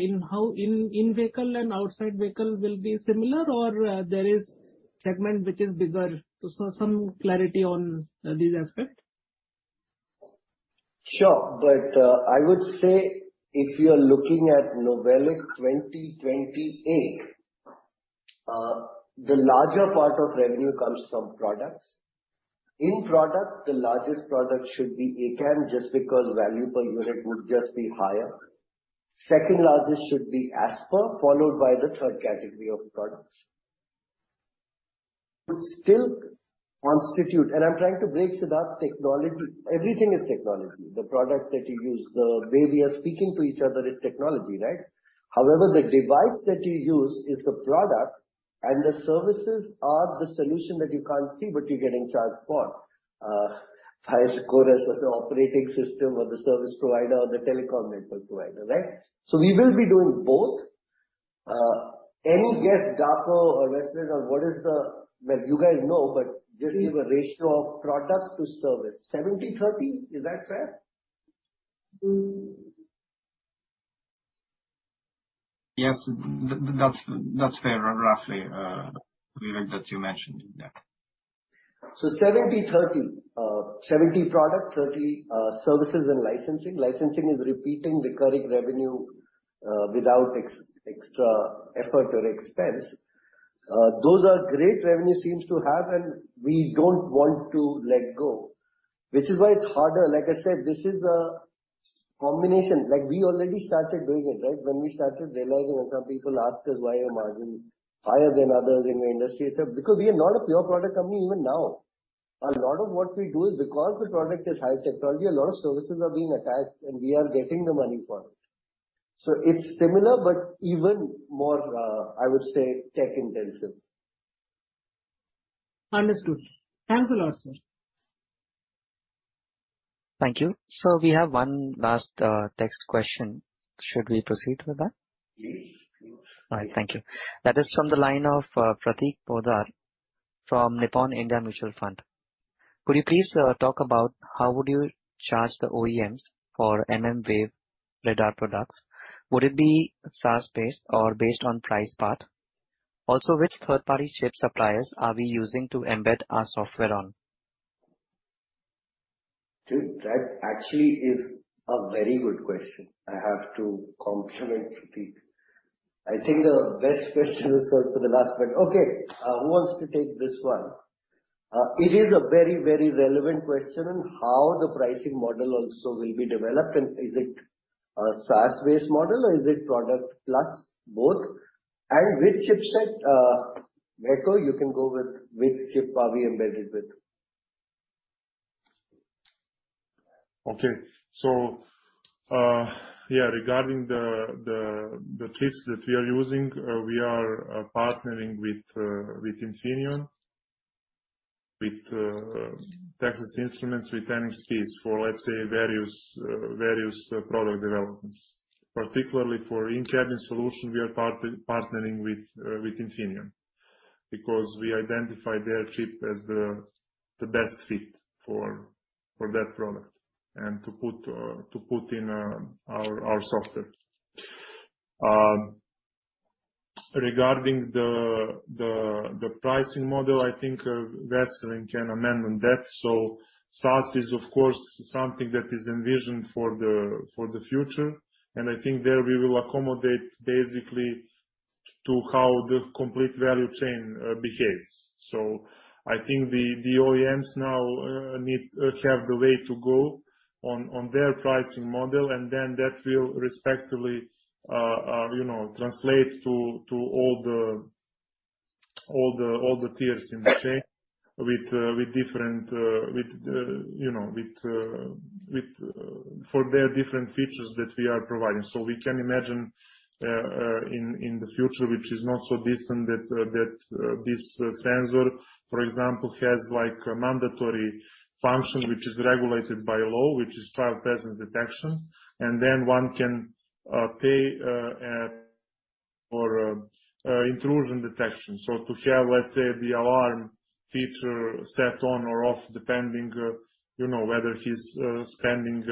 in-vehicle and outside vehicle be similar or there is segment which is bigger? Sir, some clarity on these aspect. Sure. I would say if you are looking at NOVELIC 2028, the larger part of revenue comes from products. In product, the largest product should be ACAM just because value per unit would just be higher. Second largest should be ASPER, followed by the third category of products. Would still constitute, I'm trying to break Siddharth technology. Everything is technology. The product that you use, the way we are speaking to each other is technology, right? However, the device that you use is the product, and the services are the solution that you can't see, but you're getting charged for. Highest score as the operating system or the service provider or the telecom network provider, right? We will be doing both. Any guess, Darko or Veselin, on what is the... Well, you guys know, but just give a ratio of product to service. 70/30, is that fair? Yes. That's, that's fair, roughly, Vivek, that you mentioned. Yeah. 70/30. 70 product, 30 services and licensing. Licensing is repeating recurring revenue without extra effort or expense. Those are great revenue streams to have, and we don't want to let go. Which is why it's harder. I said, this is a combination. We already started doing it, right? When we started realizing and some people ask us why our margin higher than others in the industry. It's because we are not a pure product company even now. A lot of what we do is because the product is high technology, a lot of services are being attached, and we are getting the money for it. It's similar, but even more, I would say tech-intensive. Understood. Thanks a lot, sir. Thank you. We have one last text question. Should we proceed with that? Please, of course. All right. Thank you. That is from the line of Prateek Poddar from Nippon India Mutual Fund. Could you please talk about how would you charge the OEMs for mmWave radar products? Would it be SaaS-based or based on price part? Also, which third-party chip suppliers are we using to embed our software on? That actually is a very good question. I have to compliment Prateek. I think the best question is saved for the last bit. Okay. Who wants to take this one? It is a very, very relevant question on how the pricing model also will be developed, and is it a SaaS-based model, or is it product plus both? Which chipset, Veljko, you can go with which chip are we embedded with. Okay. Yeah, regarding the chips that we are using, we are partnering with Infineon, with Texas Instruments, with NXP for various various product developments. Particularly for in-cabin solution, we are partnering with Infineon because we identified their chip as the best fit for that product and to put in our software. Regarding the pricing model, I think Veselin can amendment that. SaaS is, of course, something that is envisioned for the future. I think there we will accommodate basically to how the complete value chain behaves. I think the OEMs now need have the way to go on their pricing model, and then that will respectively, you know, translate to all the tiers in the chain with different, you know, for their different features that we are providing. We can imagine in the future, which is not so distant, that this sensor, for example, has like a mandatory function which is regulated by law, which is child presence detection. One can pay for intrusion detection. To have, let's say, the alarm feature set on or off depending, you know, whether he's spending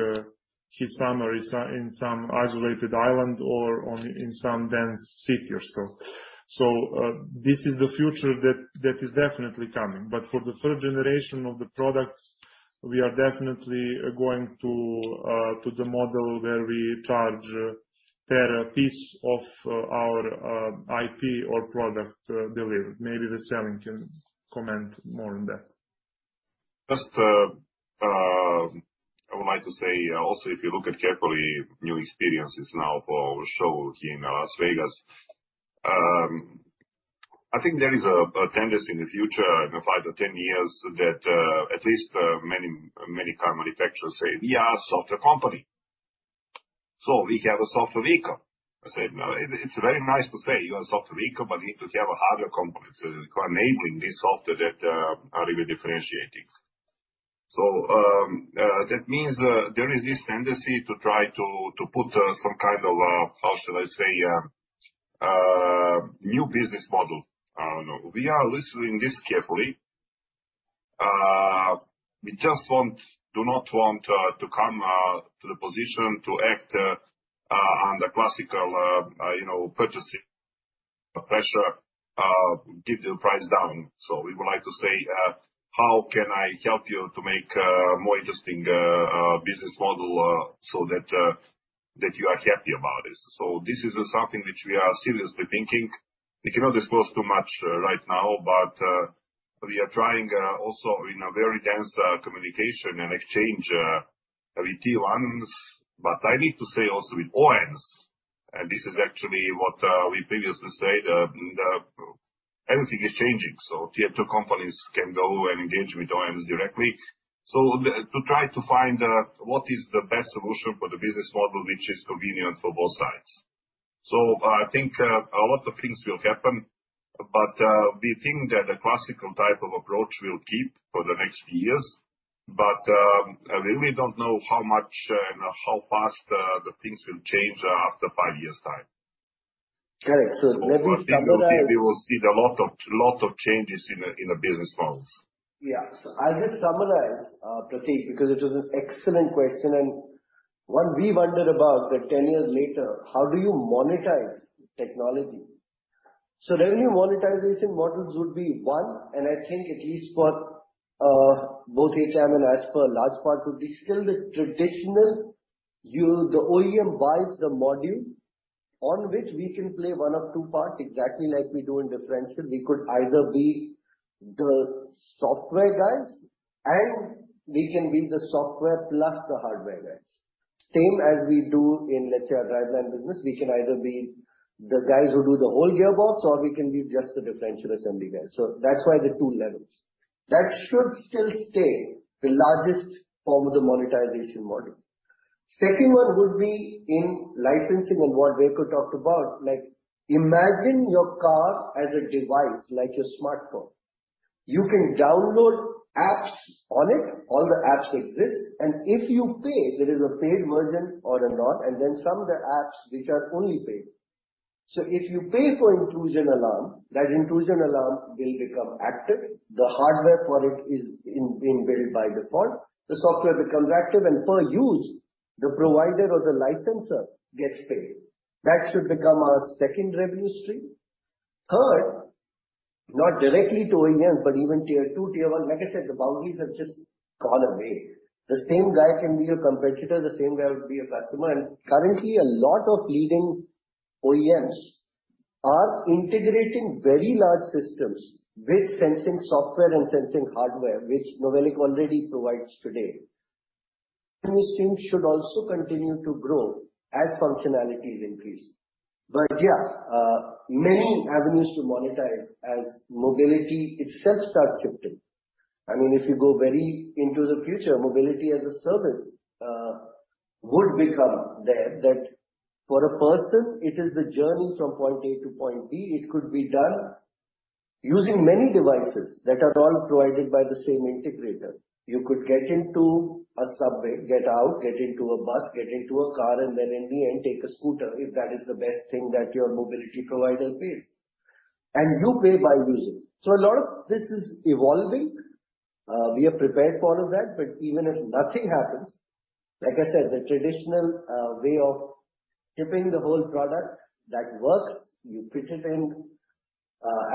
his summer in some isolated island or in some dense city or so. This is the future that is definitely coming. For the third generation of the products, we are definitely going to the model where we charge per piece of our IP or product delivered. Maybe Veselin can comment more on that. Just, I would like to say also, if you look at carefully new experiences now for show here in Las Vegas, I think there is a tendency in the future, in five to 10 years that, at least, many car manufacturers say, "We are a software company, we have a software vehicle." I said, "It's very nice to say you are a software vehicle, if you have a hardware component enabling this software that, how are you differentiating?" That means, there is this tendency to try to put some kind of, how should I say? new business model. I don't know. We are listening this carefully. We just want... do not want to come to the position to act under classical, you know, purchasing pressure, keep the price down. We would like to say, "How can I help you to make a more interesting business model so that you are happy about this?" This is something which we are seriously thinking. We cannot disclose too much right now, but we are trying also in a very dense communication and exchange with Tier 1s, but I need to say also with OEMs. This is actually what we previously said, everything is changing. Tier 2 companies can go and engage with OEMs directly. To try to find what is the best solution for the business model which is convenient for both sides. I think a lot of things will happen. We think that the classical type of approach will keep for the next few years. I really don't know how much and how fast the things will change after five years' time. Correct. let me summarize- We will see a lot of changes in the business models. I'll just summarize, Prateek, because it was an excellent question and what we wondered about that 10 years later, how do you monetize technology? Revenue monetization models would be one, and I think at least for both HM and ASPER, large part would be still the traditional the OEM buys the module on which we can play one of two parts, exactly like we do in differential. We could either be the software guys and we can be the software plus the hardware guys. Same as we do in, let's say, our driveline business. We can either be the guys who do the whole gearbox or we can be just the differential assembly guys. That's why the two levels. That should still stay the largest form of the monetization model. Second one would be in licensing and what Veljko talked about, like, imagine your car as a device, like a smartphone. You can download apps on it. All the apps exist. If you pay, there is a paid version or a not, and then some of the apps which are only paid. If you pay for intrusion alarm, that intrusion alarm will become active. The hardware for it is inbuilt by default. The software becomes active and per use, the provider or the licenser gets paid. That should become our second revenue stream. Third, not directly to OEM, but even tier two, tier one. Like I said, the boundaries have just gone away. The same guy can be a competitor, the same guy would be a customer. Currently a lot of leading OEMs are integrating very large systems with sensing software and sensing hardware, which NOVELIC already provides today. This thing should also continue to grow as functionality is increased. Yeah, many avenues to monetize as mobility itself starts shifting. I mean, if you go very into the future, mobility as a service would become that for a person it is the journey from point A to point B. It could be done using many devices that are all provided by the same integrator. You could get into a subway, get out, get into a bus, get into a car, and then in the end take a scooter if that is the best thing that your mobility provider pays. You pay by using. A lot of this is evolving. We are prepared for all of that. Even if nothing happens, like I said, the traditional way of shipping the whole product, that works. You fit it in,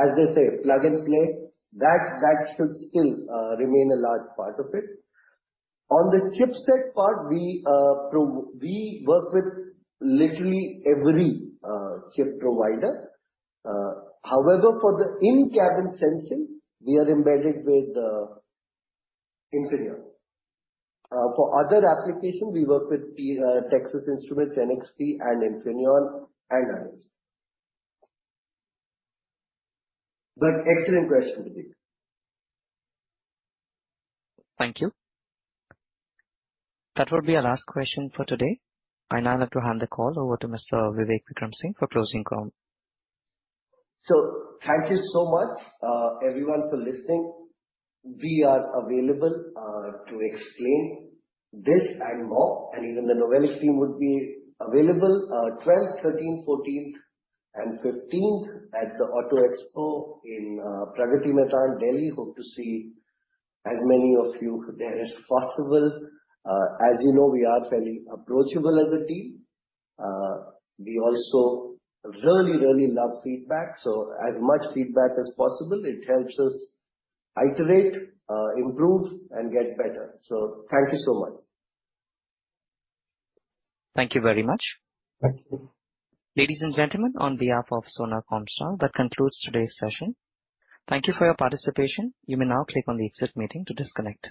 as they say, plug and play. That should still remain a large part of it. On the chipset part, we work with literally every chip provider. However, for the in-cabin sensing, we are embedded with Infineon. For other applications, we work with Texas Instruments, NXP and Infineon and IRIS. Excellent question, Prateek. Thank you. That will be our last question for today. I now look to hand the call over to Mr. Vivek Vikram Singh for closing com. Thank you so much, everyone for listening. We are available to explain this and more. Even the NOVELIC team would be available, twelfth, thirteenth, fourteenth and fifteenth at the Auto Expo in Pragati Maidan, Delhi. Hope to see as many of you there as possible. As you know, we are fairly approachable as a team. We also really, really love feedback, so as much feedback as possible. It helps us iterate, improve and get better. Thank you so much. Thank you very much. Thank you. Ladies and gentlemen, on behalf of Sona Comstar, that concludes today's session. Thank you for your participation. You may now click on the Exit Meeting to disconnect.